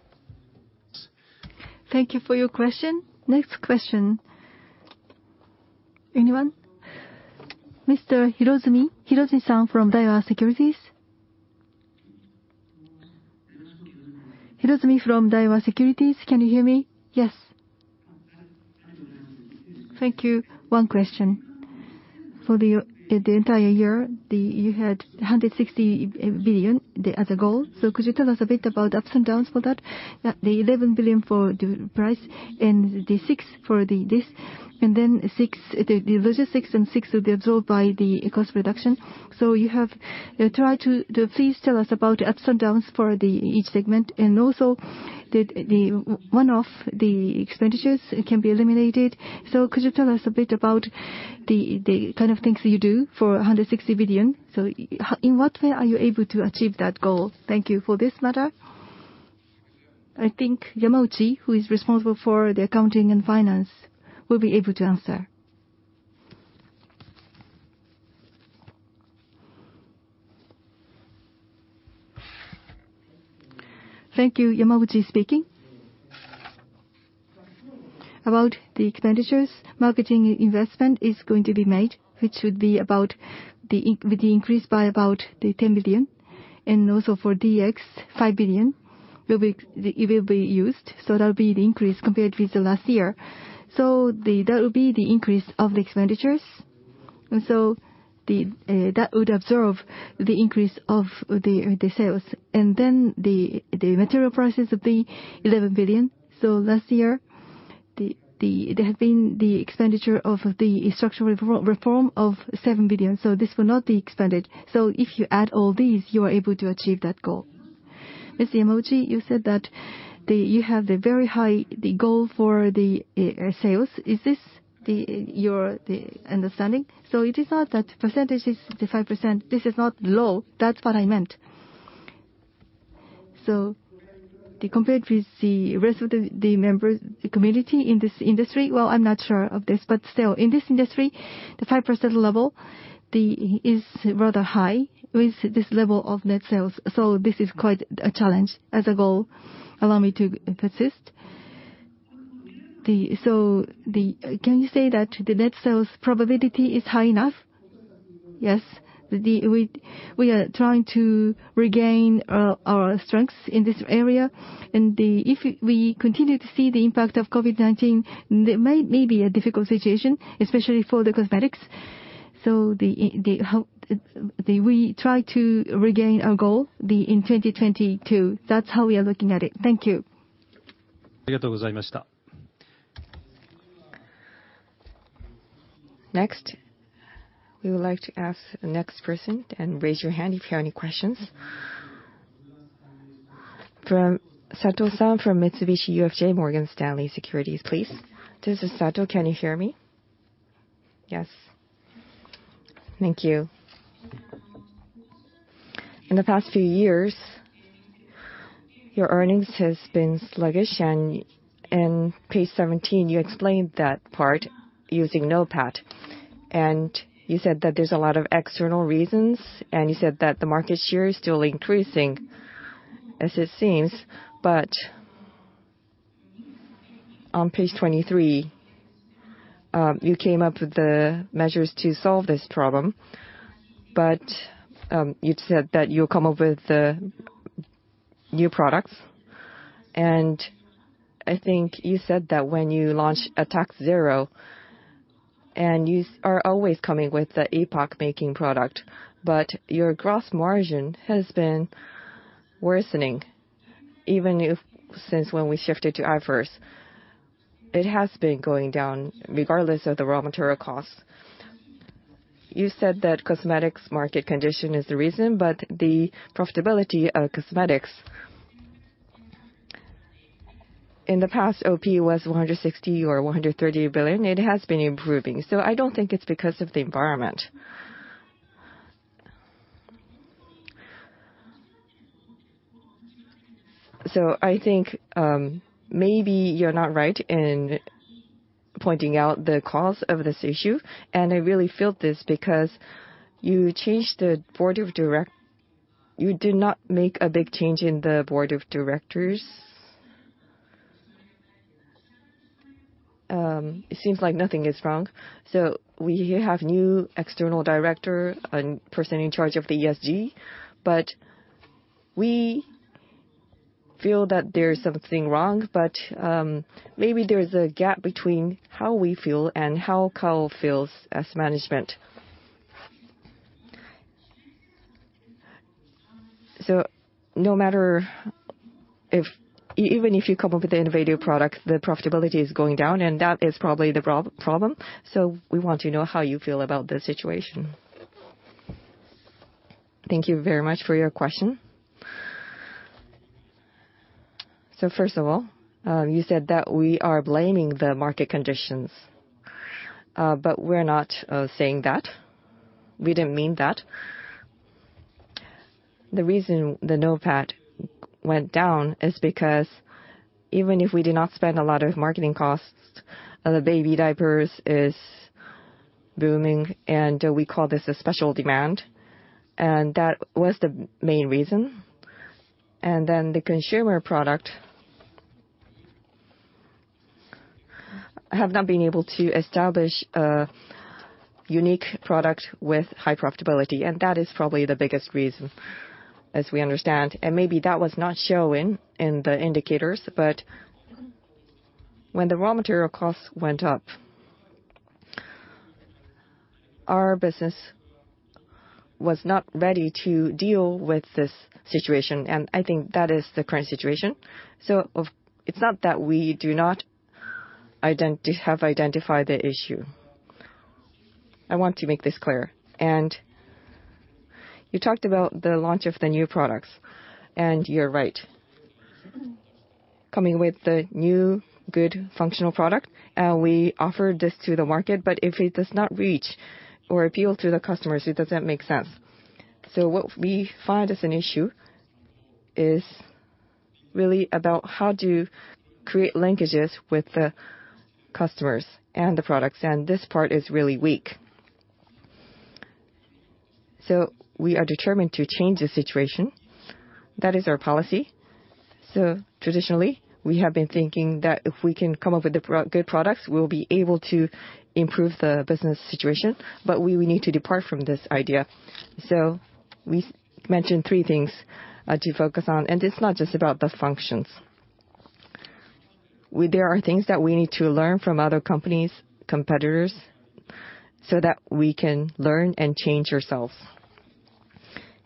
Thank you for your question. Next question. Anyone? Mr. Hirozumi-san from Daiwa Securities. Hirozumi from Daiwa Securities, can you hear me? Yes. Thank you. One question. For the entire year, you had 160 billion as a goal. Could you tell us a bit about ups and downs for that? The 11 billion for the price and the 6 billion for the mix, and then 6 billion, the other 6 billion and 6 billion will be absorbed by the cost reduction. Please tell us about ups and downs for each segment. Also the one-off expenditures can be eliminated. Could you tell us a bit about the kind of things that you do for 160 billion? In what way are you able to achieve that goal? Thank you for this matter. I think Yamauchi, who is responsible for the accounting and finance, will be able to answer. Thank you. Yamauchi speaking. About the expenditures, marketing investment is going to be made, which would be with the increase by about 10 billion. Also for DX, 5 billion will be used. That'll be the increase compared with the last year. That would be the increase of the expenditures. That would absorb the increase of the sales. Then the material prices of 11 billion. Last year, there have been the expenditure of the structural reform of 7 billion. This will not be expanded. If you add all these, you are able to achieve that goal. Mr. Yamaguchi, you said that you have the very high goal for the sales. Is this your understanding? It is not that percentage is the 5%. This is not low. That's what I meant. Compared with the rest of the members, the community in this industry, well, I'm not sure of this, but still in this industry, the 5% level is rather high with this level of net sales. This is quite a challenge as a goal. Allow me to persist. Can you say that the net sales probability is high enough? Yes. We are trying to regain our strengths in this area. If we continue to see the impact of COVID-19, there may be a difficult situation, especially for the Cosmetics. How we try to regain our goal in 2022. That's how we are looking at it. Thank you. Next, we would like to ask the next person, and raise your hand if you have any questions. From Sato-san from Mitsubishi UFJ Morgan Stanley Securities, please. This is Sato. Can you hear me? Yes. Thank you. In the past few years, your earnings has been sluggish and page 17, you explained that part using NOPAT. You said that there's a lot of external reasons, and you said that the market share is still increasing as it seems. On page 23, you came up with the measures to solve this problem. You'd said that you'll come up with new products. I think you said that when you launch Attack ZERO, and you are always coming with the epoch-making product. Your gross margin has been worsening even if, since when we shifted to IFRS. It has been going down regardless of the raw material costs. You said that Cosmetics market condition is the reason, but the profitability of Cosmetics, in the past, OP was 160 billion-130 billion. It has been improving. I don't think it's because of the environment. I think, maybe you're not right in pointing out the cause of this issue. I really feel this because you did not make a big cBange in the Board of Directors. It seems like nothing is wrong. We have new external director and person in charge of the ESG, but we feel that there's something wrong. Maybe there's a gap between how we feel and how Kao feels as management. No matter if even if you come up with innovative products, the profitability is going down, and that is probably the problem. We want to know how you feel about the situation. Thank you very much for your question. First of all, you said that we are blaming the market conditions. But we're not saying that. We didn't mean that. The reason the NOPAT went down is because even if we did not spend a lot of marketing costs, the Baby Diapers is booming, and we call this a special demand. That was the main reason. The consumer product have not been able to establish a unique product with high profitability, and that is probably the biggest reason, as we understand. Maybe that was not showing in the indicators. When the raw material costs went up, our business was not ready to deal with this situation. I think that is the current situation. It's not that we do not have identified the issue. I want to make this clear. You talked about the launch of the new products, and you're right. Coming with the new good functional product, and we offer this to the market, but if it does not reach or appeal to the customers, it doesn't make sense. What we find as an issue is really about how to create linkages with the customers and the products, and this part is really weak. We are determined to change the situation. That is our policy. Traditionally, we have been thinking that if we can come up with good products, we'll be able to improve the business situation, but we will need to depart from this idea. We mentioned three things to focus on, and it's not just about the functions. There are things that we need to learn from other companies, competitors, so that we can learn and change ourselves.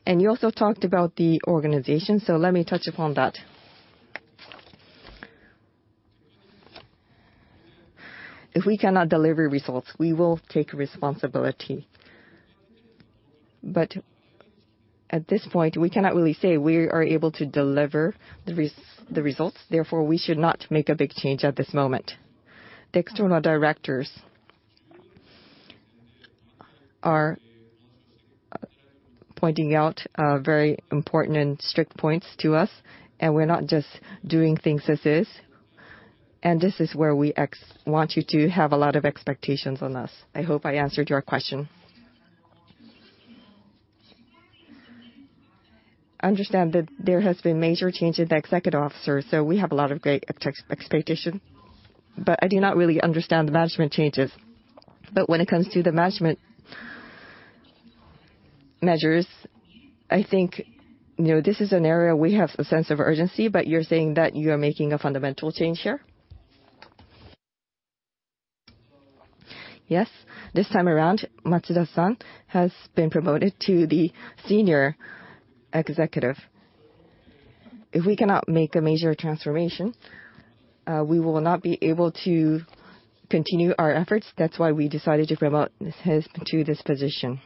You also talked about the organization, so let me touch upon that. If we cannot deliver results, we will take responsibility. At this point, we cannot really say we are able to deliver the results, therefore we should not make a big change at this moment. The external directors are pointing out very important and strict points to us, and we're not just doing things as is. This is where we want you to have a lot of expectations on us. I hope I answered your question. Understand that there has been major change in the Executive Officer, so we have a lot of great expectation. I do not really understand the management changes. When it comes to the management measures, I think, you know, this is an area we have a sense of urgency, but you're saying that you are making a fundamental change here? Yes. This time around, Matsuda-san has been promoted to the Senior Executive. If we cannot make a major transformation, we will not be able to continue our efforts. That's why we decided to promote him to this position.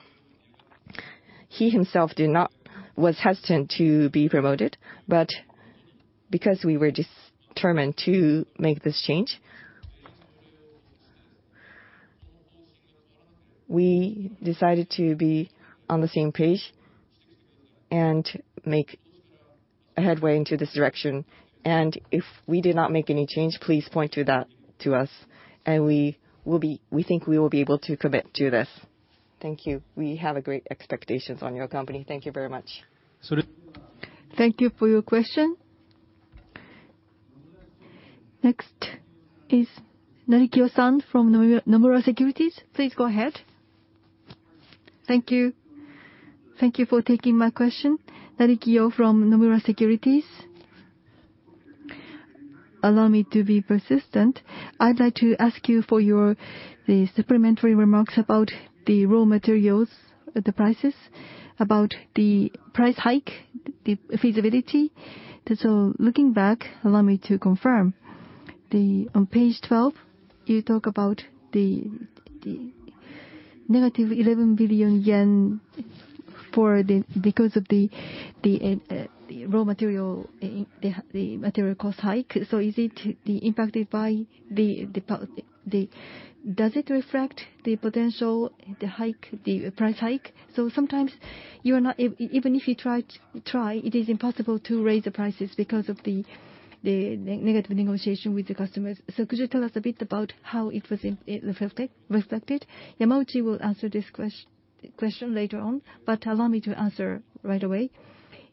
He himself did not, was hesitant to be promoted, but because we were determined to make this change, we decided to be on the same page and make headway into this direction. If we do not make any change, please point that out to us, and we will be, we think we will be able to commit to this. Thank you. We have great expectations on your company. Thank you very much. Sorry. Thank you for your question. Next is Narikiyo-san from Nomura Securities. Please go ahead. Thank you. Thank you for taking my question. Narikiyo from Nomura Securities. Allow me to be persistent. I'd like to ask you for the supplementary remarks about the raw materials, the prices, about the price hike, the feasibility. Looking back, allow me to confirm. On page 12, you talk about the -11 billion yen because of the raw material, the material cost hike. Is it impacted by the? Does it reflect the potential, the hike, the price hike? Sometimes you are not even if you try to, it is impossible to raise the prices because of the negative negotiation with the customers. Could you tell us a bit about how it was reflected? Yamauchi will answer this question later on, but allow me to answer right away.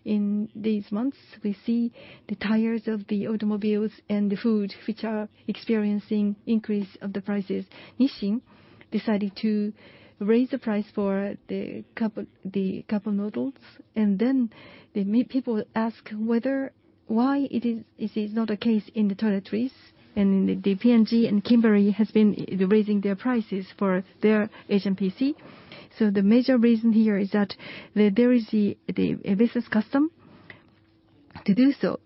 In these months, we see the tires of the automobiles and the food which are experiencing increases in prices. Nissin decided to raise the price for the cup noodles. People ask why this is not the case in the toiletries. P&G and Kimberly has been raising their prices for their H&PC. The major reason here is that there is the business custom to do so.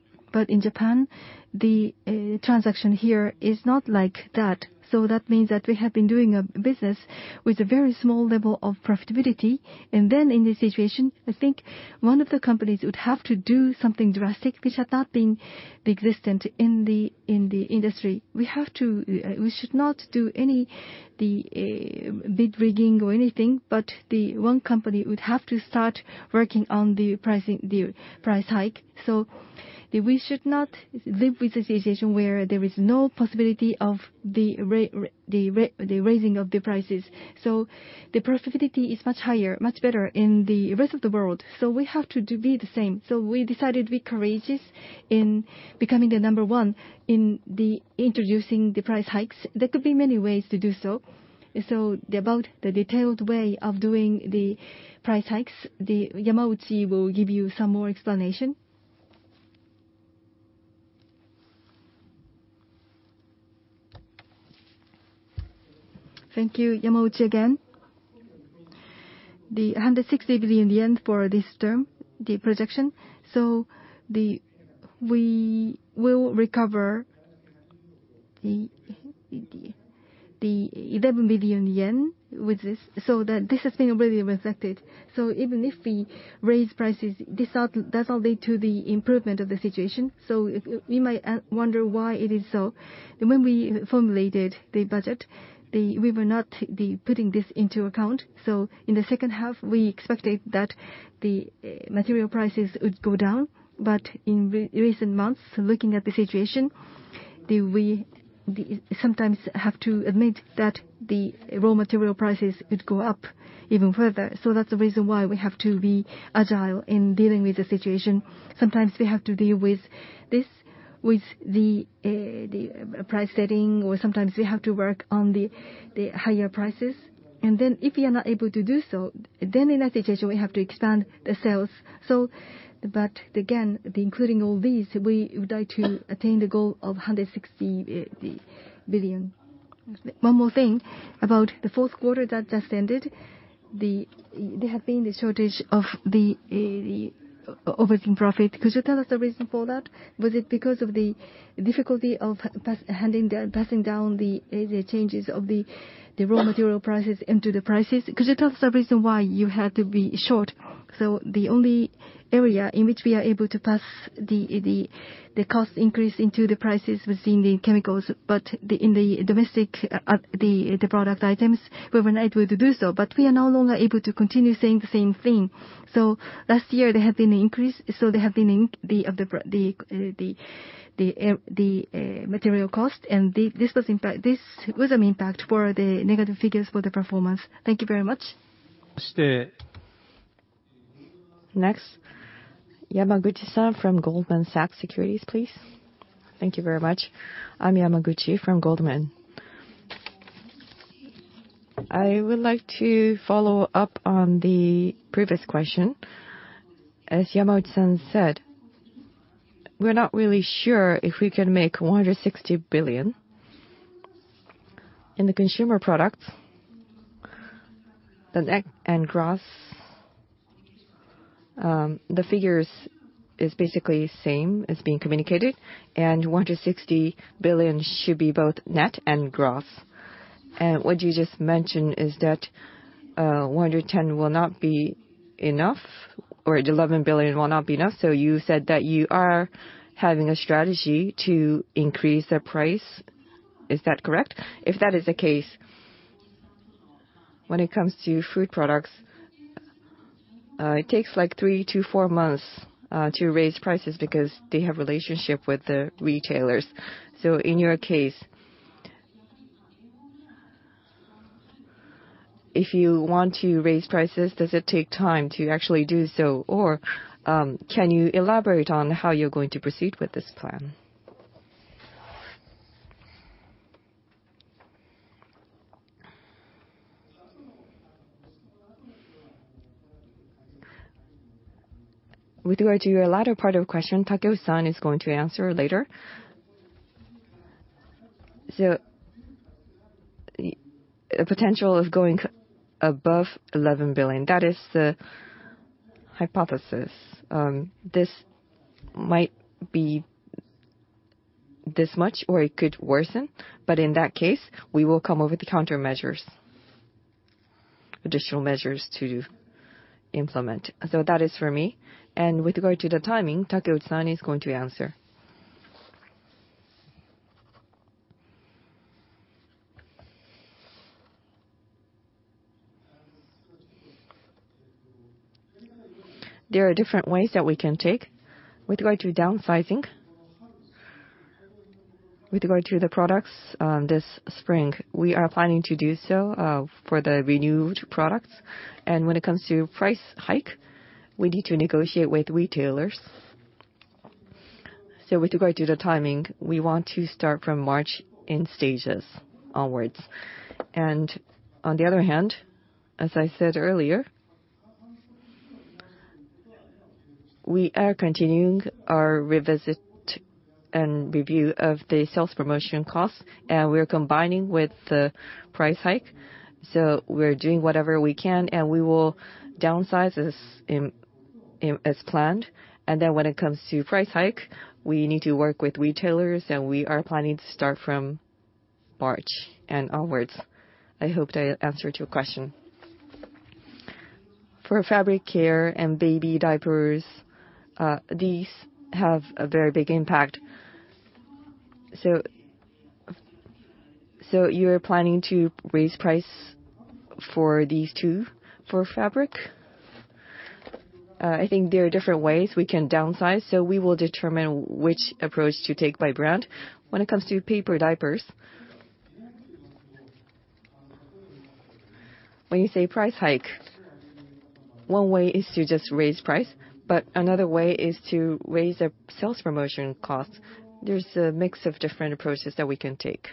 In Japan, the transaction here is not like that. That means that we have been doing business with a very small level of profitability. In this situation, I think one of the companies would have to do something drastic, which is not being existent in the industry. We have to. We should not do any bid rigging or anything, but the one company would have to start working on the pricing, the price hike. We should not live with the situation where there is no possibility of the raising of the prices. The profitability is much higher, much better in the rest of the world. We have to be the same. We decided to be courageous in becoming number one in introducing the price hikes. There could be many ways to do so. About the detailed way of doing the price hikes, Yamauchi will give you some more explanation. Thank you. Yamauchi again. The 160 billion yen for this term, the projection. We will recover the 11 billion yen with this. This has been already reflected. Even if we raise prices, this ought not to lead to the improvement of the situation. We might wonder why it is so. When we formulated the budget, we were not putting this into account. In the second half, we expected that the material prices would go down. In recent months, looking at the situation, we sometimes have to admit that the raw material prices could go up even further. That's the reason why we have to be agile in dealing with the situation. Sometimes we have to deal with this with the price setting, or sometimes we have to work on the higher prices. If we are not able to do so, then in that situation we have to expand the sales. Again, then including all these, we would like to attain the goal of 160 billion. One more thing about the fourth quarter that just ended, there had been the shortage of the operating profit. Could you tell us the reason for that? Was it because of the difficulty of passing down the changes of the raw material prices into the prices? Could you tell us the reason why you had to be short? The only area in which we are able to pass the cost increase into the prices was in the Chemicals. In the domestic product items, we were not able to do so. We are no longer able to continue saying the same thing. Last year there had been an increase in the material cost. This was an impact for the negative figures for the performance. Thank you very much. Next, Yamaguchi-san from Goldman Sachs, please. Thank you very much. I'm Yamaguchi from Goldman Sachs. I would like to follow up on the previous question. As Yamauchi-san said, we're not really sure if we can make 160 billion in the consumer products. The net and gross, the figures is basically same as being communicated, and 160 billion should be both net and gross. What you just mentioned is that, 110 billion will not be enough or the 11 billion will not be enough. You said that you are having a strategy to increase the price. Is that correct? If that is the case, when it comes to food products, it takes like 3-4 months to raise prices because they have relationship with the retailers. In your case, if you want to raise prices, does it take time to actually do so? Or, can you elaborate on how you're going to proceed with this plan? With regard to your latter part of question, Takeuchi-san is going to answer later. The potential of going above 11 billion, that is the hypothesis. This might be this much or it could worsen. In that case, we will come up with the countermeasures, additional measures to implement. That is for me. With regard to the timing, Takeuchi-san is going to answer. There are different ways that we can take. With regard to downsizing, with regard to the products, this spring, we are planning to do so, for the renewed products. When it comes to price hike, we need to negotiate with retailers. With regard to the timing, we want to start from March in stages onwards. On the other hand, as I said earlier, we are continuing our revisit and review of the sales promotion costs, and we are combining with the price hike. We're doing whatever we can, and we will downsize as planned. When it comes to price hike, we need to work with retailers, and we are planning to start from March and onwards. I hope that answered your question. For Fabric Care and Baby Diapers, these have a very big impact. You're planning to raise price for these two for Fabric? I think there are different ways we can downsize, so we will determine which approach to take by brand. When it comes to paper diapers, when you say price hike, one way is to just raise price, but another way is to raise the sales promotion costs. There's a mix of different approaches that we can take.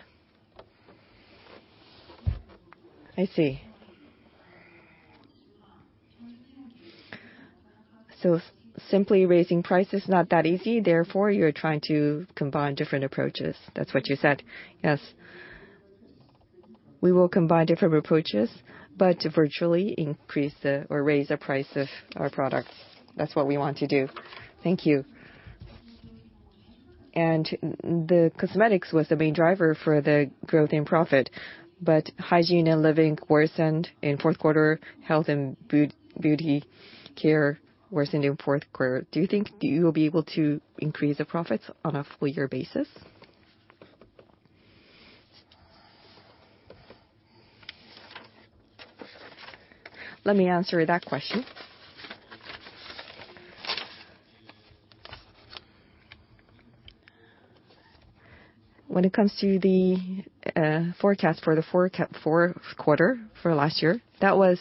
I see. Simply raising price is not that easy, therefore you're trying to combine different approaches. That's what you said? Yes. We will combine different approaches, but virtually increase or raise the price of our products. That's what we want to do. Thank you. The Cosmetics was the main driver for the growth in profit, but Hygiene and Living worsened in fourth quarter, Health and Beauty Care worsened in fourth quarter. Do you think you will be able to increase the profits on a full-year basis? Let me answer that question. When it comes to the forecast for the fourth quarter for last year, that was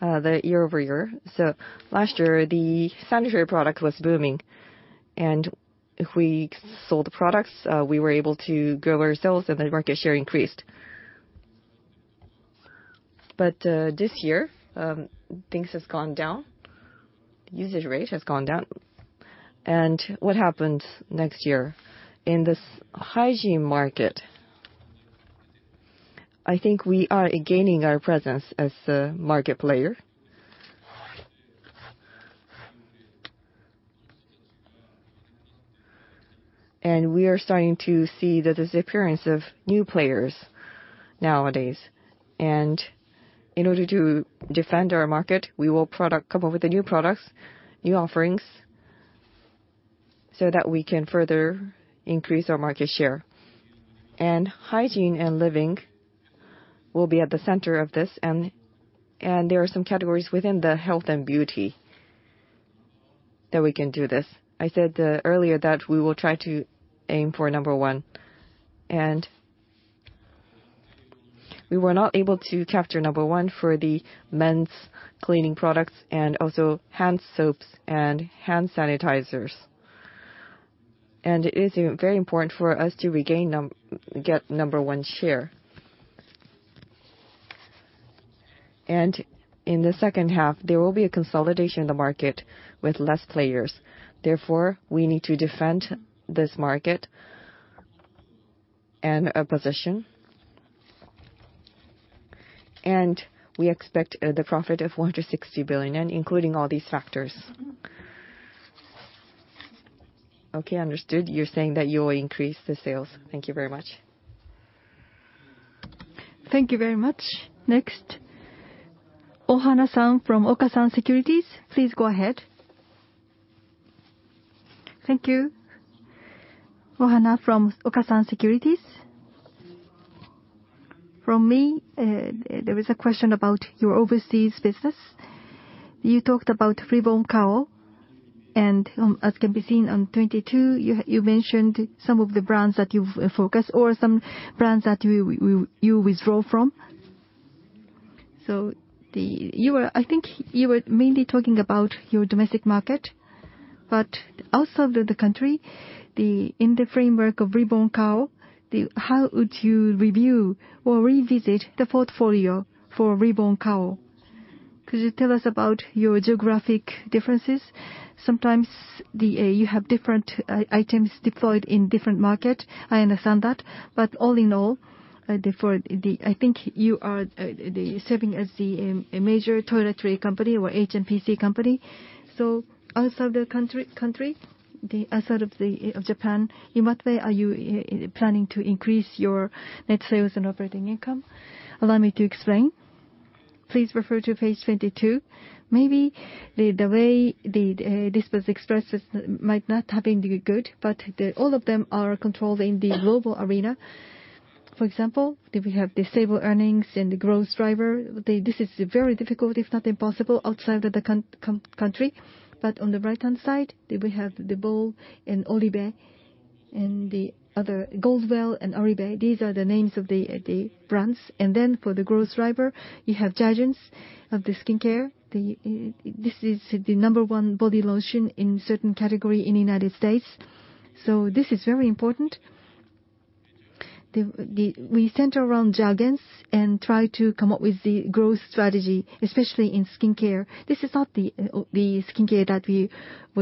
the year-over-year. Last year, the sanitary product was booming. If we sold the products, we were able to grow our sales and the market share increased. This year, things has gone down. Usage rate has gone down. What happens next year? In this hygiene market, I think we are gaining our presence as a market player. We are starting to see that there's the appearance of new players nowadays. In order to defend our market, we will come up with the new products, new offerings, so that we can further increase our market share. Hygiene and Living will be at the center of this, and there are some categories within the Health and Beauty that we can do this. I said earlier that we will try to aim for number one. We were not able to capture number one for the men's cleaning products and also hand soaps and hand sanitizers. It is, you know, very important for us to get number one share. In the second half, there will be a consolidation in the market with less players. Therefore, we need to defend this market and our position. We expect the profit of 1 billion-6 billion, including all these factors. Okay, understood. You're saying that you will increase the sales. Thank you very much. Thank you very much. Next, Ohana-san from Okasan Securities, please go ahead. Thank you. Ohana from Okasan Securities. From me, there is a question about your overseas business. You talked about Reborn Kao. As can be seen on 22, you mentioned some of the brands that you've focused or some brands that you withdraw from. I think you were mainly talking about your domestic market. But outside of the country, in the framework of Reborn Kao, how would you review or revisit the portfolio for Reborn Kao? Could you tell us about your geographic differences? Sometimes you have different items deployed in different markets, I understand that. But all-in-all, I think you are serving as a major toiletry company or H&PC company. Outside of Japan, in what way are you planning to increase your net sales and operating income? Allow me to explain. Please refer to page 22. Maybe the way this was expressed might not have been the best, but all of them are controlled in the global arena. For example, if we have the stable earnings and the growth driver, this is very difficult, if not impossible, outside of the country. On the right-hand side, we have the Bollé and Oribe and the other Goldwell and Oribe. These are the names of the brands. Then for the growth driver, you have Jergens of the skincare. This is the number one body lotion in certain category in the United States. This is very important. We center around Jergens and try to come up with the growth strategy, especially in skincare. This is not the skincare that we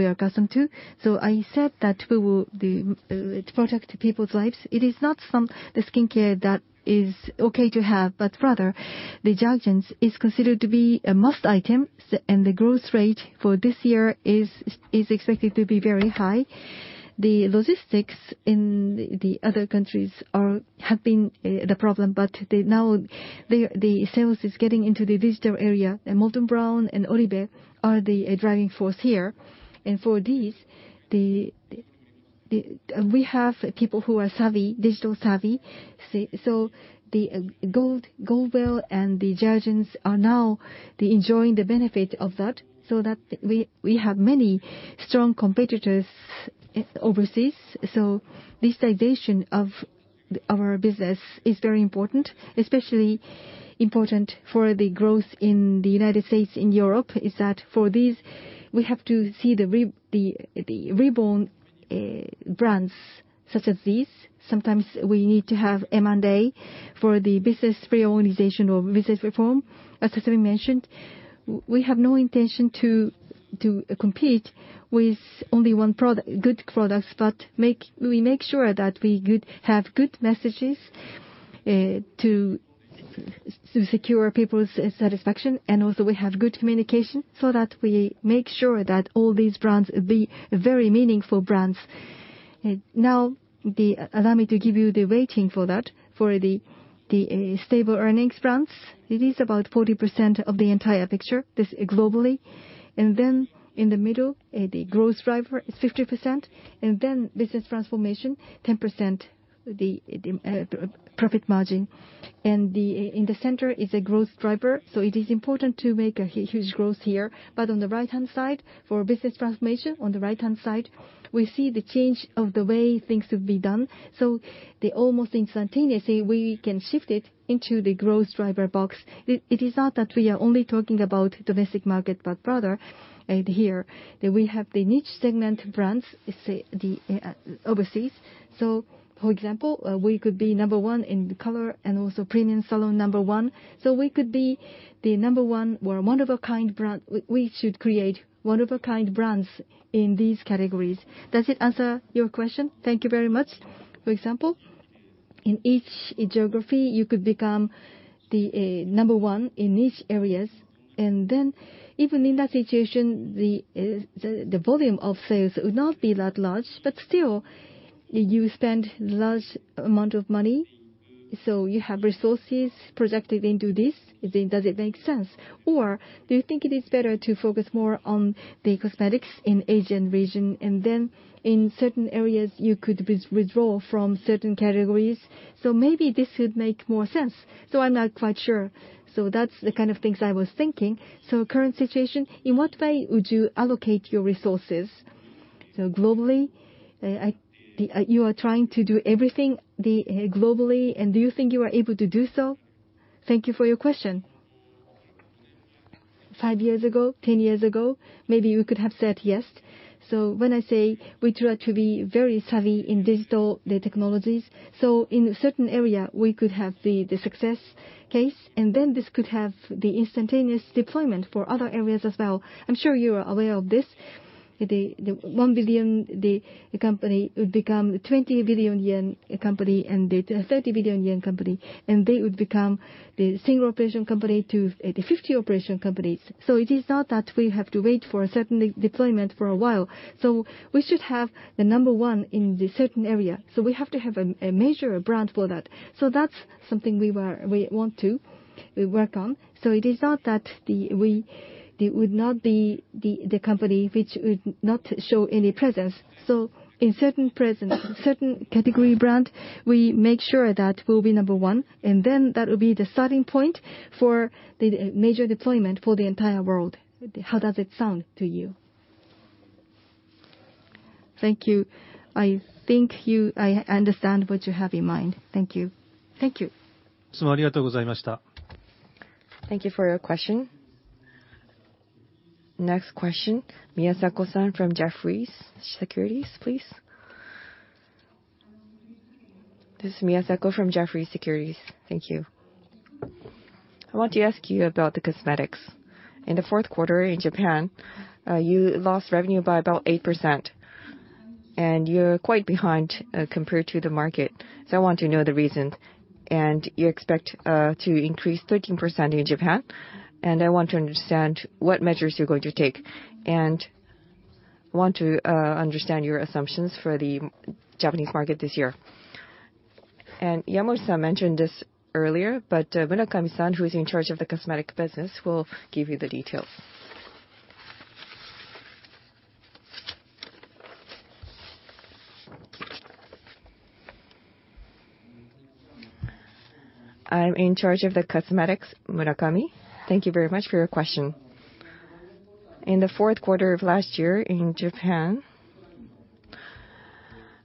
are accustomed to. I said that we will to protect people's lives, it is not some the skincare that is okay to have, but rather the Jergens is considered to be a must item, and the growth rate for this year is expected to be very high. The logistics in the other countries have been the problem. Now the sales is getting into the Digital area. Molton Brown and Oribe are a driving force here. For these, we have people who are digital savvy. The Goldwell and the Jergens are now enjoying the benefit of that so that we have many strong competitors overseas. This situation of our business is very important, especially important for the growth in the United States and Europe, is that for these, we have to see the Reborn brands such as these. Sometimes we need to have M&A for the business reorganization or business reform. As has been mentioned, we have no intention to compete with only one product, good products, but we make sure that we have good messages to secure people's satisfaction. We also have good communication so that we make sure that all these brands be very meaningful brands. Now allow me to give you the weighting for that. For the stable earnings brands, it is about 40% of the entire picture. This globally. Then in the middle, the growth driver is 50%. Business transformation, 10% profit margin. In the center is a growth driver. It is important to make a huge growth here. On the right-hand side, for business transformation, on the right-hand side, we see the change of the way things would be done. They almost instantaneously, we can shift it into the growth driver box. It is not that we are only talking about domestic market, but rather, here that we have the niche segment brands, say the, overseas. For example, we could be number one in color and also premium salon number one. We could be the number one or one-of-a-kind brand. We should create one-of-a-kind brands in these categories. Does it answer your question? Thank you very much. For example, in each geography, you could become the number one in niche areas. Even in that situation, the volume of sales would not be that large. Still, you spend large amount of money, so you have resources projected into this. Does it make sense? Or do you think it is better to focus more on the Cosmetics in Asian region, and then in certain areas you could withdraw from certain categories? Maybe this would make more sense. I'm not quite sure. That's the kind of things I was thinking. Current situation, in what way would you allocate your resources? Globally, are you trying to do everything globally, and do you think you are able to do so? Thank you for your question. Five years ago, 10 years ago, maybe we could have said yes. When I say we try to be very savvy in digital, the technologies, in a certain area, we could have the success case, and then this could have the instantaneous deployment for other areas as well. I'm sure you are aware of this. The 1 billion company would become 20 billion yen company and the 30 billion yen company, and they would become the single operating company to the 50 operating companies. It is not that we have to wait for a certain deployment for a while. We should have the number one in the certain area. We have to have a major brand for that. That's something we want to work on. It is not that it would not be the company which would not show any presence. In certain presence, certain category brand, we make sure that we'll be number one, and then that will be the starting point for the major deployment for the entire world. How does it sound to you? Thank you. I think I understand what you have in mind. Thank you. Thank you. Thank you for your question. Next question, Miyasako-san from Jefferies Securities, please. This is Miyasako from Jefferies Securities. Thank you. I want to ask you about the Cosmetics. In the fourth quarter in Japan, you lost revenue by about 8%, and you're quite behind compared to the market. I want to know the reason. You expect to increase 13% in Japan, and I want to understand what measures you're going to take, and want to understand your assumptions for the Japanese market this year. Yamauchi-san mentioned this earlier, but Murakami-san, who is in charge of the Cosmetics business, will give you the details. I'm in charge of Cosmetics, Murakami. Thank you very much for your question. In the fourth quarter of last year in Japan,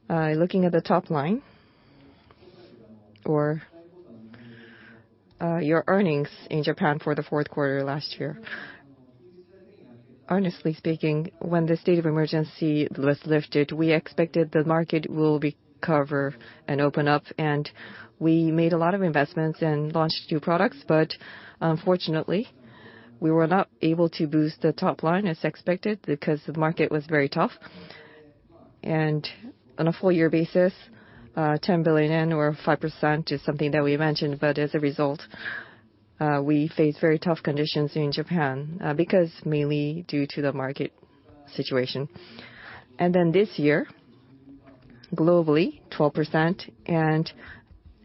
looking at the top line or your earnings in Japan for the fourth quarter last year. Honestly speaking, when the state of emergency was lifted, we expected the market will recover and open up, and we made a lot of investments and launched new products. Unfortunately, we were not able to boost the top line as expected because the market was very tough. On a full-year basis, 10 billion yen or 5% is something that we mentioned. As a result, we faced very tough conditions in Japan because mainly due to the market situation. This year, globally, 12%, and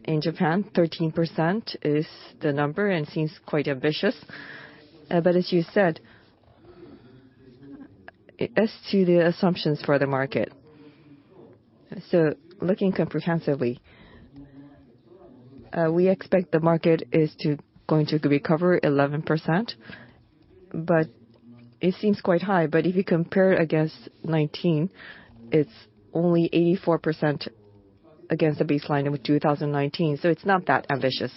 in Japan, 13% is the number and seems quite ambitious. As you said, as to the assumptions for the market, looking comprehensively. We expect the market is going to recover 11%. It seems quite high, but if you compare against 2019, it's only 84% against the baseline of 2019, so it's not that ambitious.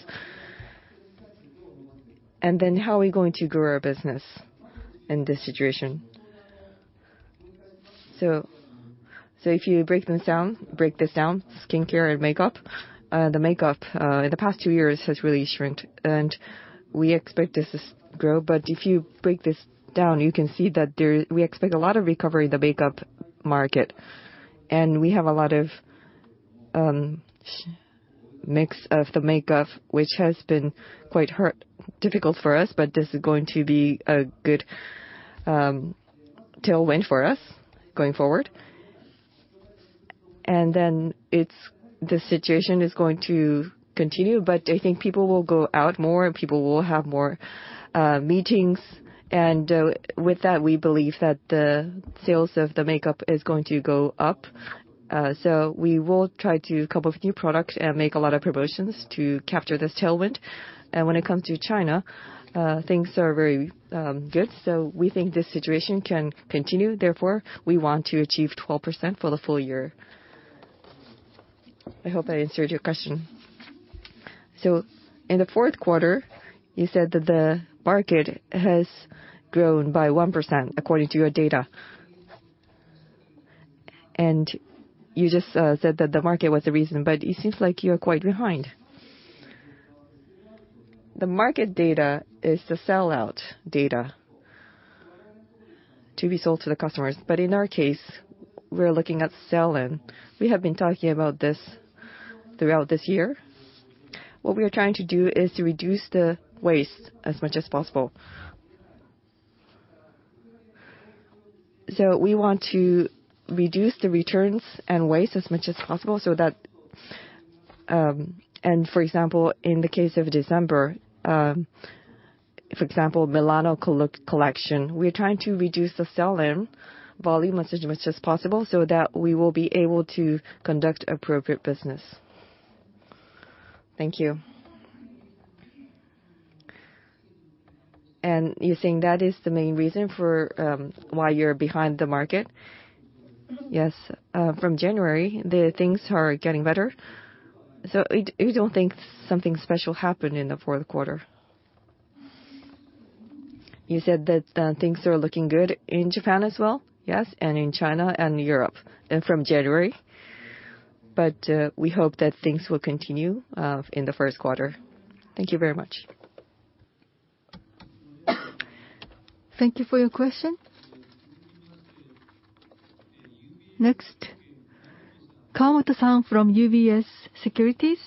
How are we going to grow our business in this situation? If you break this down, skincare and makeup, the makeup in the past two years has really shrunk, and we expect this to grow. If you break this down, you can see that we expect a lot of recovery in the makeup market, and we have a lot of share mix of the makeup, which has been quite hard, difficult for us. This is going to be a good tailwind for us going forward. Then it's the situation is going to continue, but I think people will go out more and people will have more meetings. With that, we believe that the sales of the makeup is going to go up. We will try to come up with new products and make a lot of promotions to capture this tailwind. When it comes to China, things are very good. We think this situation can continue, therefore, we want to achieve 12% for the full-year. I hope I answered your question. In the fourth quarter, you said that the market has grown by 1% according to your data. You just said that the market was the reason, but it seems like you're quite behind. The market data is the sellout data to be sold to the customers. In our case, we're looking at sell-in. We have been talking about this throughout this year. What we are trying to do is to reduce the waste as much as possible. We want to reduce the returns and waste as much as possible so that, for example, in the case of December, for example, Milano Collection, we're trying to reduce the sell-in volume as much as possible so that we will be able to conduct appropriate business. Thank you. You're saying that is the main reason for why you're behind the market? Yes. From January, the things are getting better. We don't think something special happened in the fourth quarter. You said that things are looking good in Japan as well? Yes. In China and Europe. From January. We hope that things will continue in the first quarter. Thank you very much. Thank you for your question. Next, Kawamata-san from UBS Securities.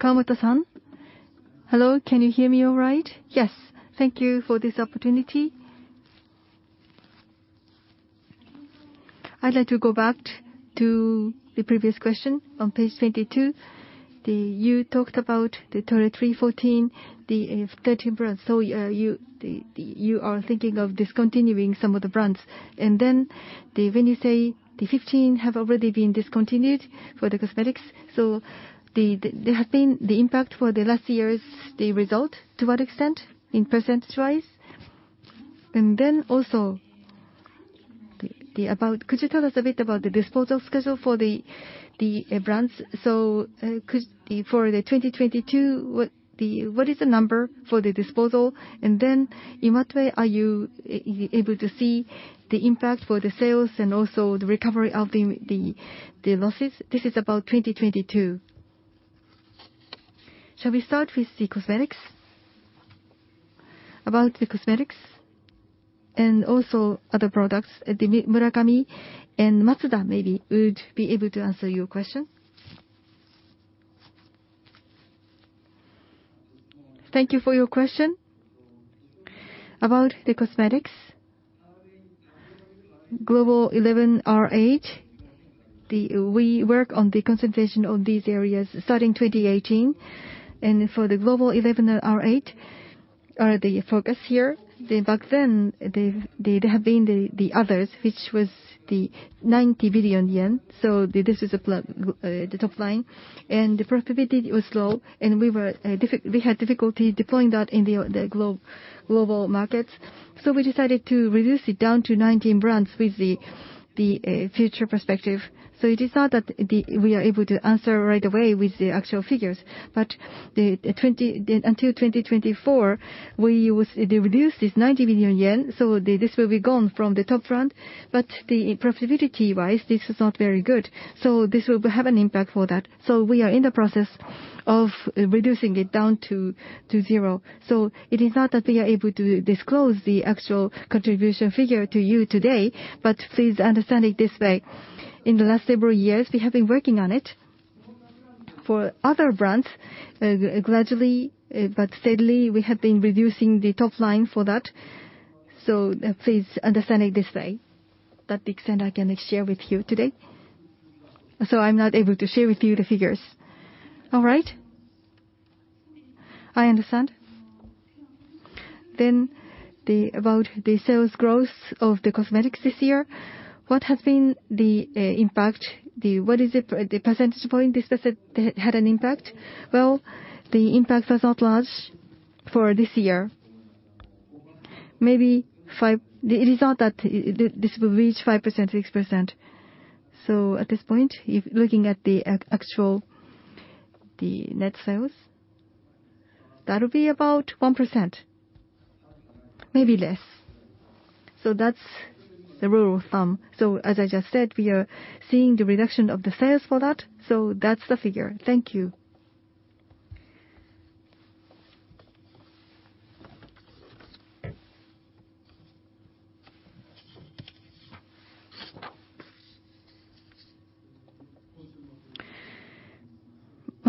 Kawamata-san, hello. Can you hear me all right? Yes. Thank you for this opportunity. I'd like to go back to the previous question on page 22. You talked about the total 314, the 13 brands. You are thinking of discontinuing some of the brands. When you say the 15 have already been discontinued for the Cosmetics, there have been the impact for last year's result to what extent in percentage-wise? Could you tell us a bit about the disposal schedule for the brands? For 2022, what is the number for the disposal? In what way are you able to see the impact for the sales and also the recovery of the losses? This is about 2022. Shall we start with the Cosmetics? About the Cosmetics and also other products, the Murakami and Matsuda maybe would be able to answer your question. Thank you for your question. About the Cosmetics, Global 11, R8, we work on the concentration on these areas starting 2018. For the Global 11, R8 are the focus here. Back then, there had been the others, which was the 90 billion yen. This is the bulk of the top line. The profitability was low, and we had difficulty deploying that in the global markets. We decided to reduce it down to 19 brands with the future perspective. It is not that we are able to answer right away with the actual figures. The 20, until 2024, we will reduce this 90 billion yen, this will be gone from the top line. The profitability-wise, this is not very good, so this will have an impact for that. We are in the process of reducing it down to zero. It is not that we are able to disclose the actual contribution figure to you today, but please understand it this way. In the last several years, we have been working on it. For other brands, gradually, but steadily, we have been reducing the top line for that. Please understand it this way. That the extent I can share with you today. I'm not able to share with you the figures. All right? I understand. Then about the sales growth of the Cosmetics this year, what has been the impact? What is it, the percentage point this has had an impact? Well, the impact was not large for this year. Maybe five. The result that this will reach 5%, 6%. At this point, if looking at the actual, the net sales, that'll be about 1%, maybe less. That's the rule of thumb. As I just said, we are seeing the reduction of the sales for that's the figure. Thank you.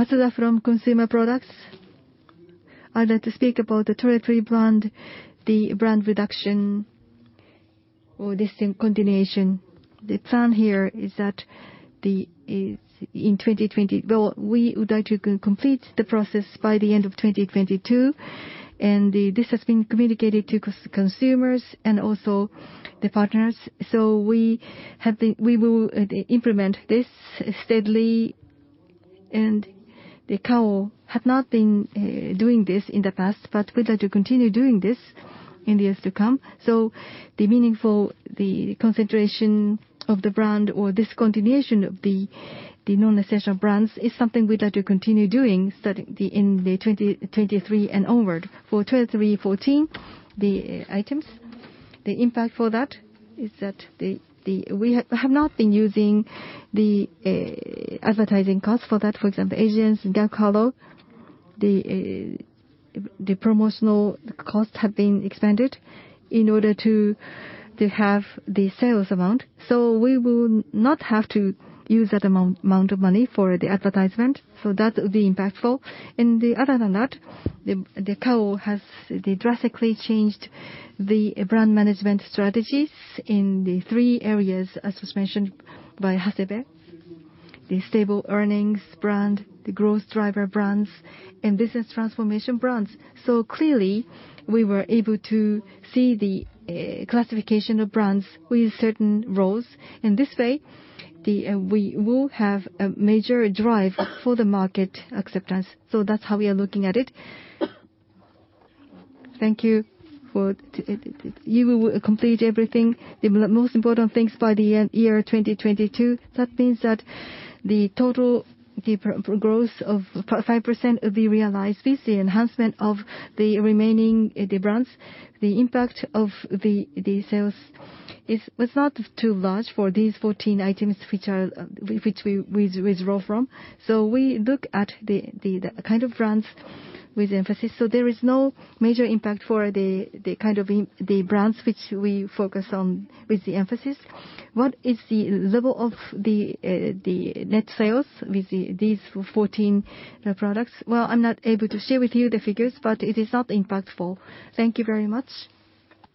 Matsuda from Consumer Products. I'd like to speak about the territory brand, the brand reduction or discontinuation. The plan here is that the, in 2020. Well, we would like to complete the process by the end of 2022, and the, this has been communicated to consumers and also the partners. We will implement this steadily. Kao have not been doing this in the past, but we'd like to continue doing this in the years to come. The meaningful concentration of the brand or discontinuation of the non-essential brands is something we'd like to continue doing starting in 2023 and onward. For 314 items, the impact for that is that we have not been using the advertising costs for that. For example, Asience gawkalo, The promotional costs have been expanded in order to have the sales amount. We will not have to use that amount of money for the advertisement, so that will be impactful. Other than that, Kao has drastically changed the brand management strategies in the three areas, as was mentioned by Hasebe: the stable earnings brand, the growth driver brands, and business transformation brands. Clearly, we were able to see the classification of brands with certain roles. In this way, we will have a major drive for the market acceptance. That's how we are looking at it. Thank you for. You will complete everything, the most important things by the end of year 2022. That means that the total growth of 5% will be realized with the enhancement of the remaining brands. The impact of the sales was not too large for these 14 items which we withdraw from. We look at the kind of brands with emphasis. There is no major impact for the kind of important brands which we focus on with the emphasis. What is the level of the net sales with these 14 products? Well, I'm not able to share with you the figures, but it is not impactful. Thank you very much.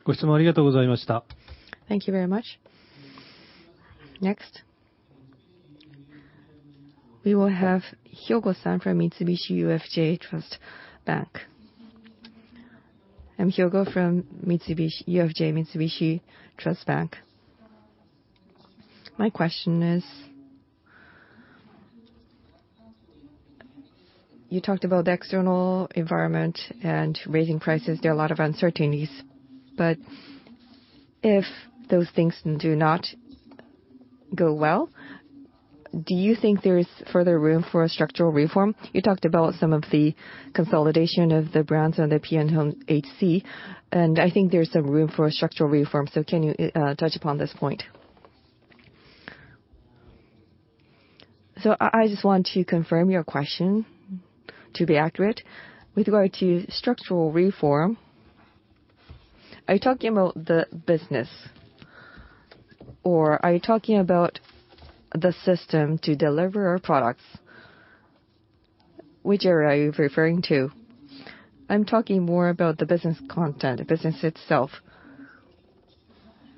Thank you very much. Next, we will have Hyogo-san from Mitsubishi UFJ Trust Bank. I'm Hyogo from Mitsubishi UFJ Trust Bank. My question is, you talked about the external environment and raising prices. There are a lot of uncertainties. If those things do not go well, do you think there is further room for a structural reform? You talked about some of the consolidation of the brands under PN, Home, HC, and I think there's some room for a structural reform. Can you touch upon this point? I just want to confirm your question to be accurate. With regard to structural reform, are you talking about the business or are you talking about the system to deliver our products? Which area are you referring to? I'm talking more about the business content, the business itself.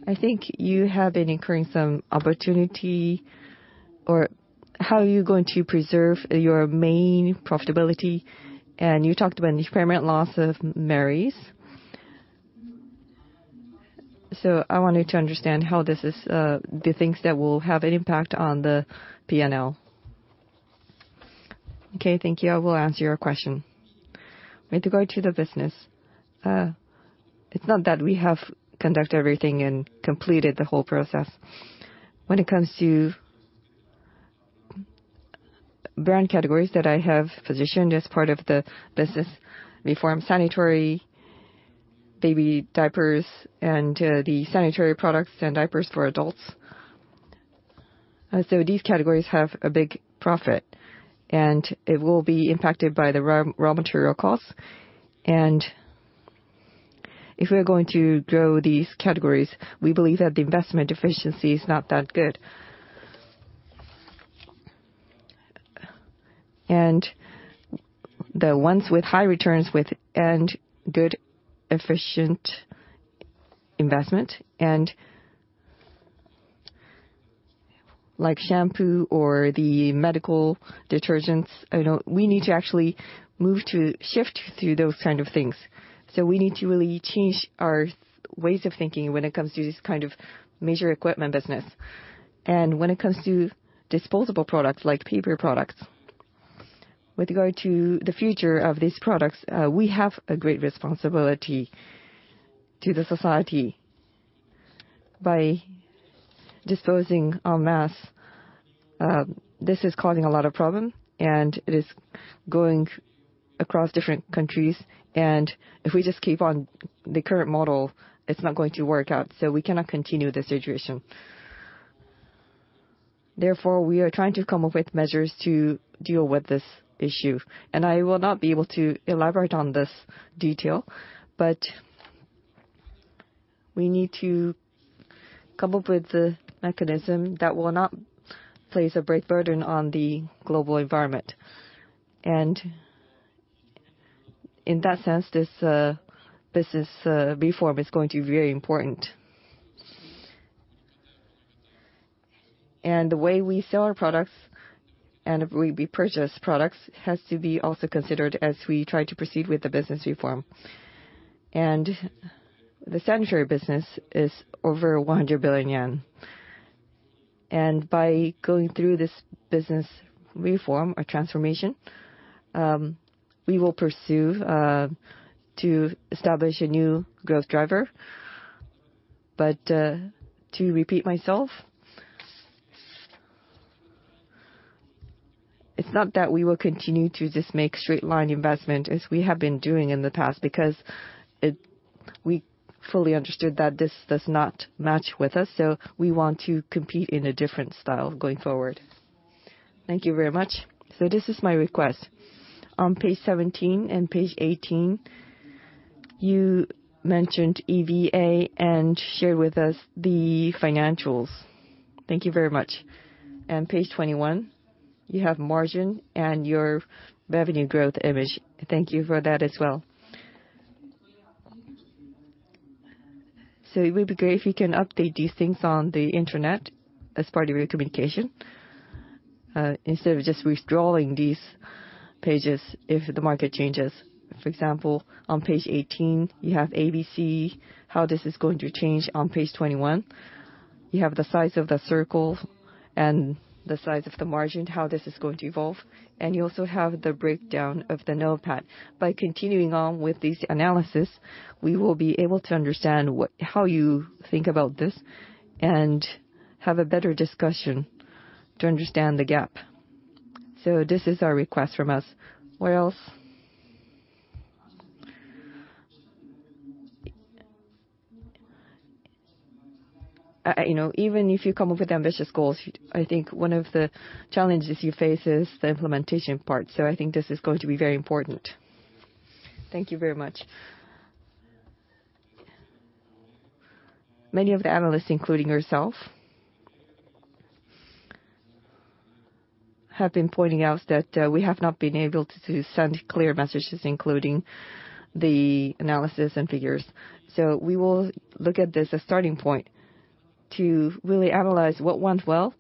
I think you have been incurring some opportunity or how are you going to preserve your main profitability? You talked about an impairment loss of Merries. I wanted to understand how this is, the things that will have an impact on the P&L. Okay, thank you. I will answer your question. With regard to the business, it's not that we have conducted everything and completed the whole process. When it comes to brand categories that I have positioned as part of the business reform, sanitary Baby Diapers and the sanitary products and diapers for adults. These categories have a big profit, and it will be impacted by the raw material costs. If we are going to grow these categories, we believe that the investment efficiency is not that good. The ones with high returns with, and good efficient investment and like shampoo or the medical detergents, you know, we need to actually move to shift to those kind of things. We need to really change our ways of thinking when it comes to this kind of major equipment business. When it comes to disposable products like paper products, with regard to the future of these products, we have a great responsibility to the society. By disposing en masse, this is causing a lot of problem, and it is going across different countries. If we just keep on the current model, it's not going to work out, so we cannot continue the situation. Therefore, we are trying to come up with measures to deal with this issue. I will not be able to elaborate on this detail, but we need to come up with a mechanism that will not place a great burden on the global environment. In that sense, this business reform is going to be very important. The way we sell our products and we purchase products has to be also considered as we try to proceed with the business reform. The sanitary business is over 100 billion yen. By going through this business reform or transformation, we will pursue to establish a new growth driver. To repeat myself, it's not that we will continue to just make straight line investment as we have been doing in the past, because we fully understood that this does not match with us, so we want to compete in a different style going forward. Thank you very much. This is my request. On page 17 and page 18, you mentioned EVA and shared with us the financials. Thank you very much. Page 21, you have margin and your revenue growth image. Thank you for that as well. It would be great if you can update these things on the internet as part of your communication, instead of just withdrawing these pages if the market changes. For example, on page 18 you have ABC, how this is going to change on page 21. You have the size of the circle and the size of the margin, how this is going to evolve. You also have the breakdown of the NOPAT. By continuing on with this analysis, we will be able to understand how you think about this and have a better discussion to understand the gap. This is our request from us. What else? You know, even if you come up with ambitious goals, I think one of the challenges you face is the implementation part. I think this is going to be very important. Thank you very much. Many of the analysts, including yourself, have been pointing out that we have not been able to send clear messages, including the analysis and figures. We will look at this as a starting point to really analyze what went well,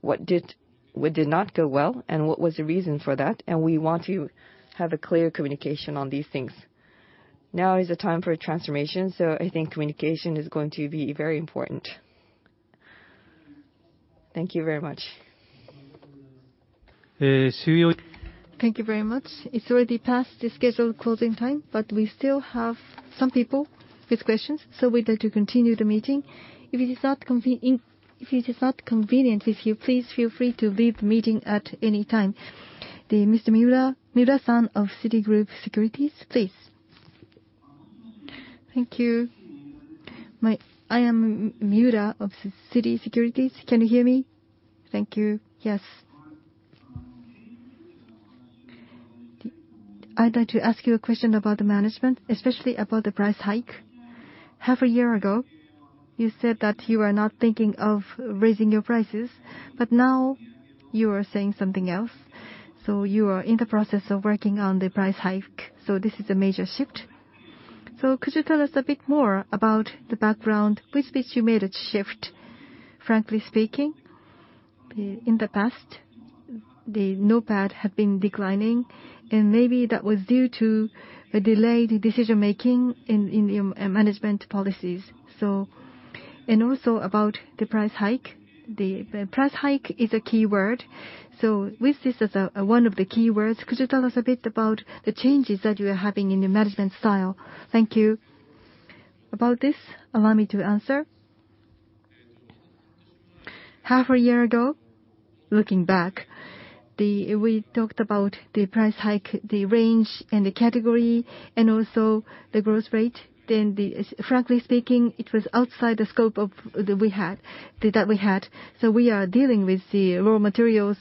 what did not go well, and what was the reason for that, and we want to have a clear communication on these things. Now is the time for transformation, so I think communication is going to be very important. Thank you very much. Thank you very much. It's already past the scheduled closing time, but we still have some people with questions, so we'd like to continue the meeting. If it is not convenient, please feel free to leave the meeting at any time. Mr. Miura-san of Citigroup Securities, please. Thank you. I am Miura of Citi Securities. Can you hear me? Thank you. Yes. I'd like to ask you a question about the management, especially about the price hike. Half a year ago, you said that you are not thinking of raising your prices, but now you are saying something else. You are in the process of working on the price hike, so this is a major shift. Could you tell us a bit more about the background with which you made a shift? Frankly speaking, in the past, NOPAT had been declining, and maybe that was due to a delayed decision-making in your management policies. And also about the price hike. The price hike is a key word. With this as one of the key words, could you tell us a bit about the changes that you are having in your management style? Thank you. About this, allow me to answer. Half a year ago, looking back, we talked about the price hike, the range and the category, and also the growth rate. Frankly speaking, it was outside the scope that we had. We are dealing with the raw materials,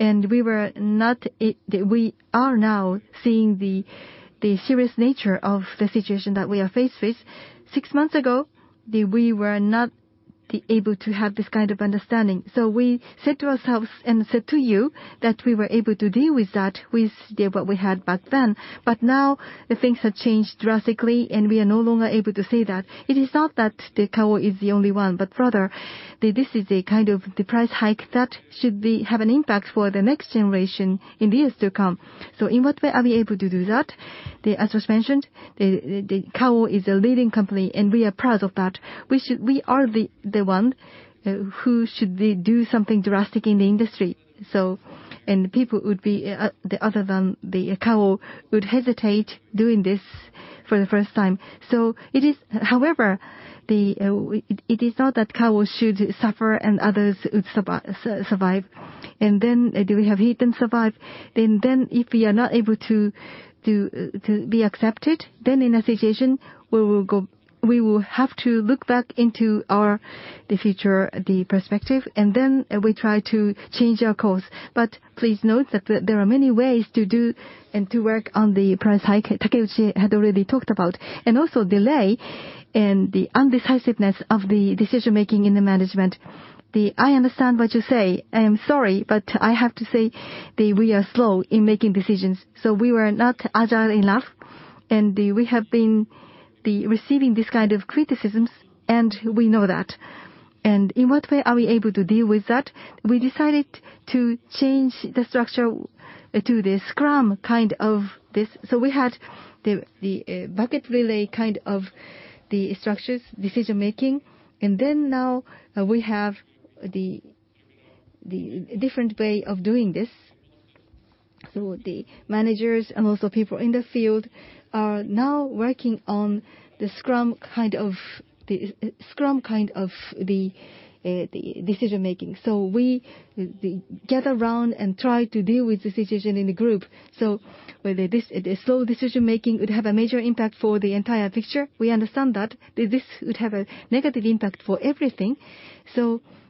and we were not. We are now seeing the serious nature of the situation that we are faced with. Six months ago, we were not. Be able to have this kind of understanding. We said to ourselves and said to you that we were able to deal with that with what we had back then. But now the things have changed drastically, and we are no longer able to say that. It is not that Kao is the only one, but rather this is a kind of the price hike that should have an impact for the next generation in years to come. In what way are we able to do that? As was mentioned, Kao is a leading company and we are proud of that. We are the one who should do something drastic in the industry. People other than Kao would hesitate doing this for the first time. However, it is not that Kao should suffer and others would survive. Then do we have to take the hit and survive. If we are not able to be accepted, then in that situation, we will go. We will have to look back into our future, the perspective, and then we try to change our course. Please note that there are many ways to do and to work on the price hike Takeuchi had already talked about. Also delay and the indecisiveness of the decision-making in the management. I understand what you say. I am sorry, but I have to say that we are slow in making decisions. We were not agile enough. We have been receiving this kind of criticisms, and we know that. In what way are we able to deal with that? We decided to change the structure to the scrum kind of this. We had the bucket relay kind of the structures, decision-making. Now we have the different way of doing this. The managers and also people in the field are now working on the scrum kind of decision-making. We gather round and try to deal with the situation in the group. Whether this slow decision-making would have a major impact for the entire picture, we understand that. That this would have a negative impact for everything.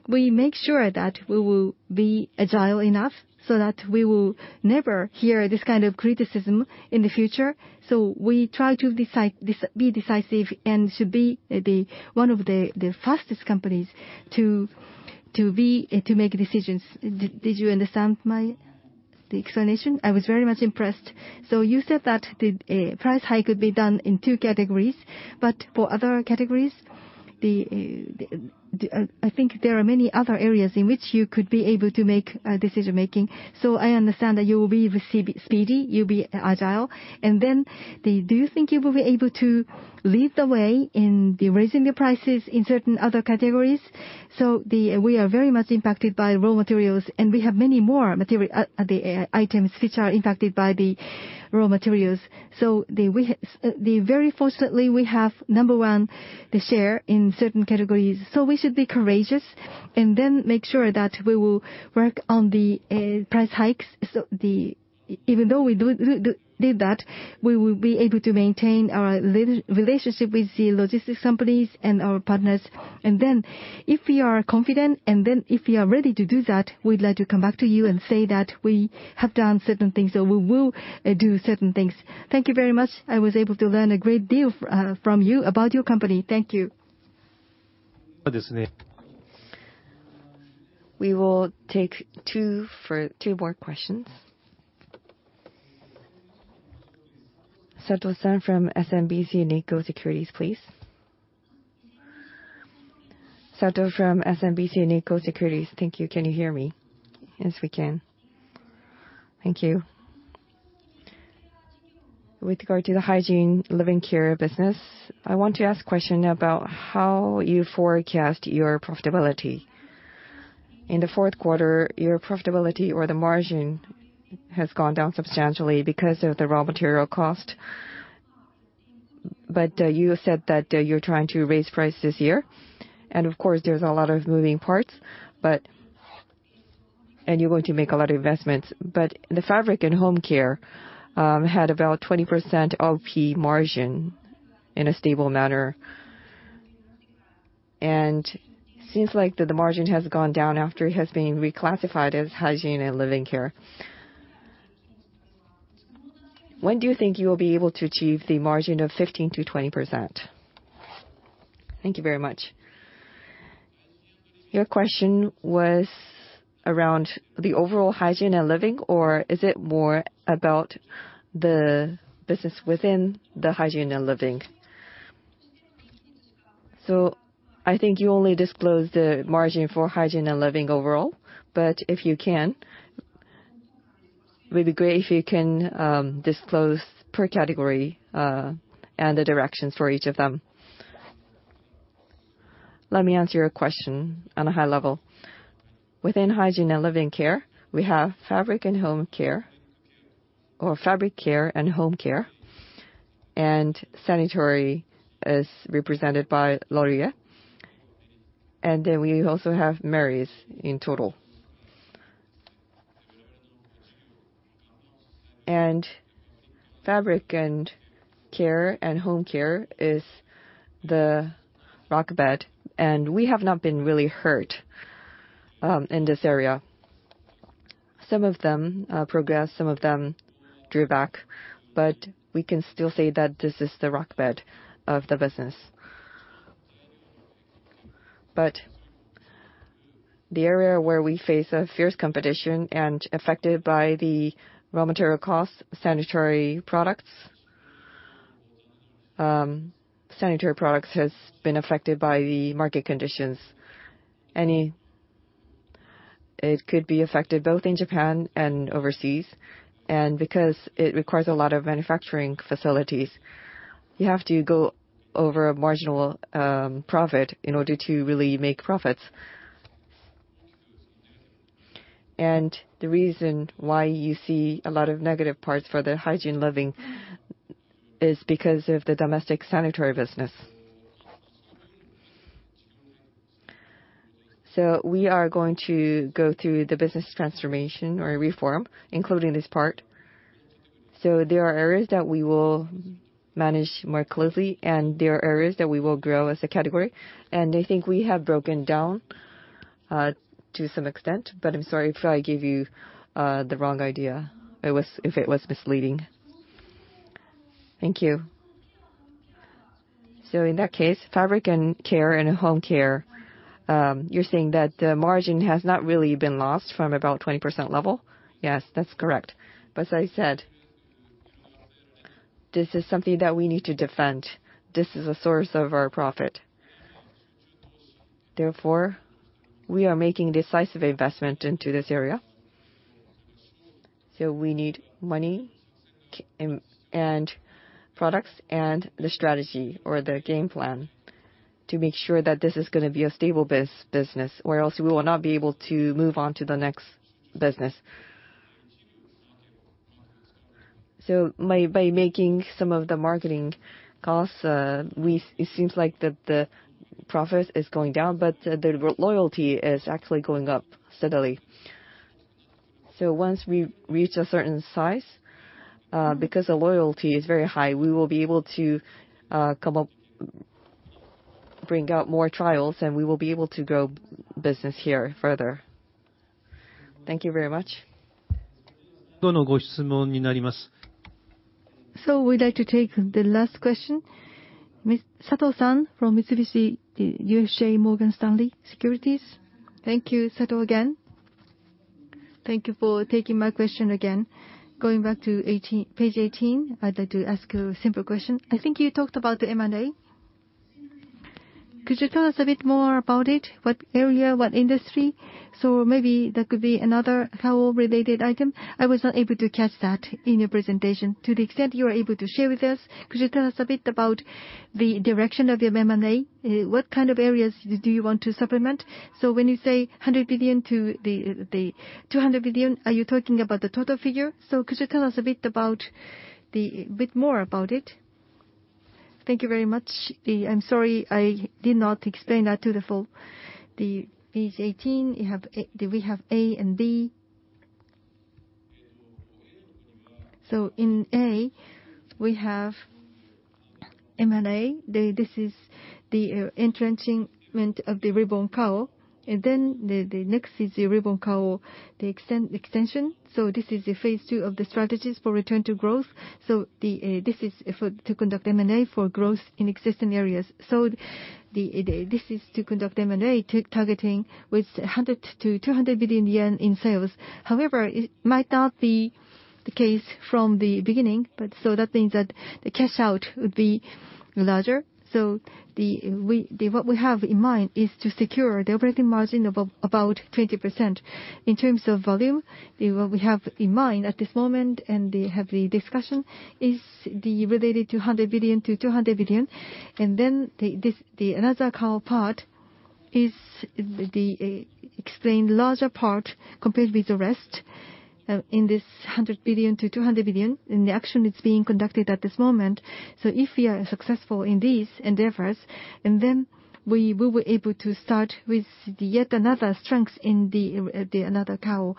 We make sure that we will be agile enough so that we will never hear this kind of criticism in the future. We try to be decisive and to be one of the fastest companies to make decisions. Did you understand the explanation? I was very much impressed. You said that the price hike could be done in two categories, but for other categories, I think there are many other areas in which you could be able to make a decision-making. I understand that you will be speedy, you'll be agile. Do you think you will be able to lead the way in raising the prices in certain other categories? We are very much impacted by raw materials, and we have many more items which are impacted by the raw materials. Very fortunately, we have number one, the share in certain categories. We should be courageous and then make sure that we will work on the price hikes. Even though we did that, we will be able to maintain our relationship with the logistics companies and our partners. If we are confident and ready to do that, we'd like to come back to you and say that we have done certain things or we will do certain things. Thank you very much. I was able to learn a great deal from you about your company. Thank you. We will take two more questions. Sato-san from SMBC Nikko Securities, please. Sato from SMBC Nikko Securities. Thank you. Can you hear me? Yes, we can. Thank you. With regard to the Hygiene and Living Care business, I want to ask question about how you forecast your profitability. In the fourth quarter, your profitability or the margin has gone down substantially because of the raw material cost. You said that, you're trying to raise price this year. Of course, there's a lot of moving parts, but you're going to make a lot of investments. The Fabric and Home Care had about 20% OP margin in a stable manner. Seems like the margin has gone down after it has been reclassified as Hygiene and Living Care. When do you think you will be able to achieve the margin of 15%-20%? Thank you very much. Your question was around the overall Hygiene and Living, or is it more about the business within the Hygiene and Living? I think you only disclosed the margin for Hygiene and Living overall, but it would be great if you can disclose per category, and the directions for each of them. Let me answer your question on a high level. Within Hygiene and Living Care, we have Fabric and Home Care or Fabric Care and Home Care, and sanitary as represented by Laurier. Then we also have Merries in total. Fabric and Care and Home Care is the bedrock, and we have not been really hurt in this area. Some of them progress, some of them drew back, but we can still say that this is the rock bed of the business. The area where we face a fierce competition and affected by the raw material costs, sanitary products. Sanitary products has been affected by the market conditions, and it could be affected both in Japan and overseas. Because it requires a lot of manufacturing facilities, you have to go over a marginal profit in order to really make profits. The reason why you see a lot of negative parts for the Hygiene and Living Care is because of the domestic sanitary business. We are going to go through the business transformation or reform, including this part. There are areas that we will manage more closely, and there are areas that we will grow as a category. I think we have broken down to some extent, but I'm sorry if I gave you the wrong idea, it was if it was misleading. Thank you. In that case, Fabric and Home Care, you're saying that the margin has not really been lost from about 20% level? Yes, that's correct. As I said, this is something that we need to defend. This is a source of our profit. Therefore, we are making decisive investment into this area. We need money, and products and the strategy or the game plan to make sure that this is gonna be a stable business or else we will not be able to move on to the next business. By making some of the marketing costs, it seems like the profit is going down, but the loyalty is actually going up steadily. Once we reach a certain size, because the loyalty is very high, we will be able to bring out more trials, and we will be able to grow business here further. Thank you very much. We'd like to take the last question. Ms. Sato-san from Mitsubishi UFJ Morgan Stanley Securities. Thank you, Sato, again. Thank you for taking my question again. Going back to 18, page 18, I'd like to ask a simple question. I think you talked about the M&A. Could you tell us a bit more about it? What area, what industry? Maybe there could be Another Kao related item. I was not able to catch that in your presentation. To the extent you are able to share with us, could you tell us a bit about the direction of your M&A? What kind of areas do you want to supplement? When you say 100 billion-200 billion, are you talking about the total figure? Could you tell us a bit more about it? Thank you very much. I'm sorry I did not explain that fully. The page 18, we have A and B. In A, we have M&A. This is the entrenching of the Reborn Kao. And then the next is the Reborn Kao, the extension. This is the phase II of the strategies for return to growth. This is to conduct M&A for growth in existing areas. This is to conduct M&A targeting 100 billion-200 billion yen in sales. However, it might not be the case from the beginning, but so that means that the cash out would be larger. What we have in mind is to secure the operating margin of about 20%. In terms of volume, what we have in mind at this moment and have the discussion is related to 100 billion-200 billion. Another Kao part is the even larger part compared with the rest in this 100 billion-200 billion. The action is being conducted at this moment. If we are successful in these endeavors, we were able to start with yet another strength in the Another Kao.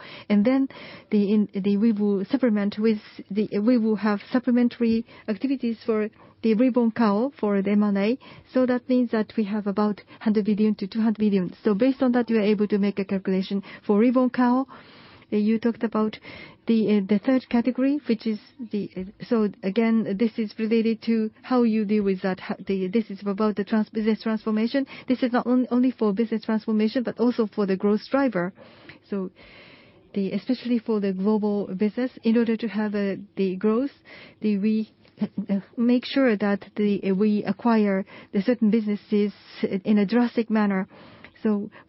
We will have supplementary activities for the Reborn Kao for the M&A. That means that we have about 100 billion-200 billion. Based on that, you are able to make a calculation. For Reborn Kao, you talked about the third category, which is the... Again, this is related to how you deal with that. This is about the business transformation. This is not only for business transformation, but also for the growth driver. Especially for the global business, in order to have the growth, we make sure that we acquire certain businesses in a drastic manner.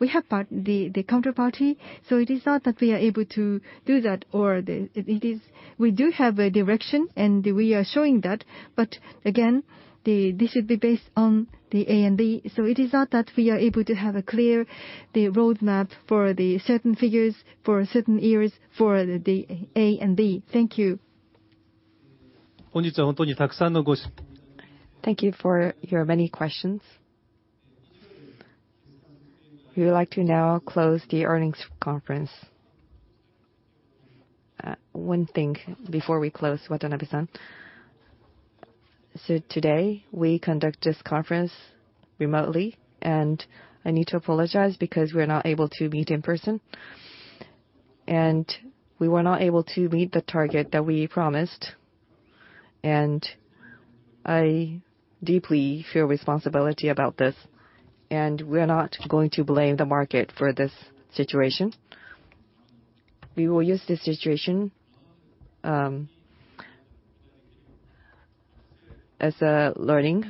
We have the counterparty. It is not that we are able to do that. It is we do have a direction, and we are showing that. Again, this should be based on the A and B. It is not that we are able to have a clear roadmap for certain figures for certain years for the A and B. Thank you. Thank you for your many questions. We would like to now close the earnings conference. One thing before we close, Watanabe-san. Today, we conduct this conference remotely, and I need to apologize because we are not able to meet in person. We were not able to meet the target that we promised, and I deeply feel responsibility about this. We're not going to blame the market for this situation. We will use this situation as a learning,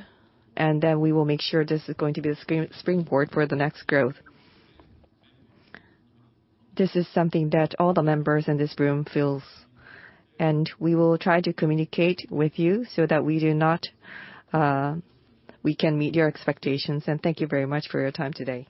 and then we will make sure this is going to be a springboard for the next growth. This is something that all the members in this room feels, and we will try to communicate with you so that we do not, we can meet your expectations. Thank you very much for your time today.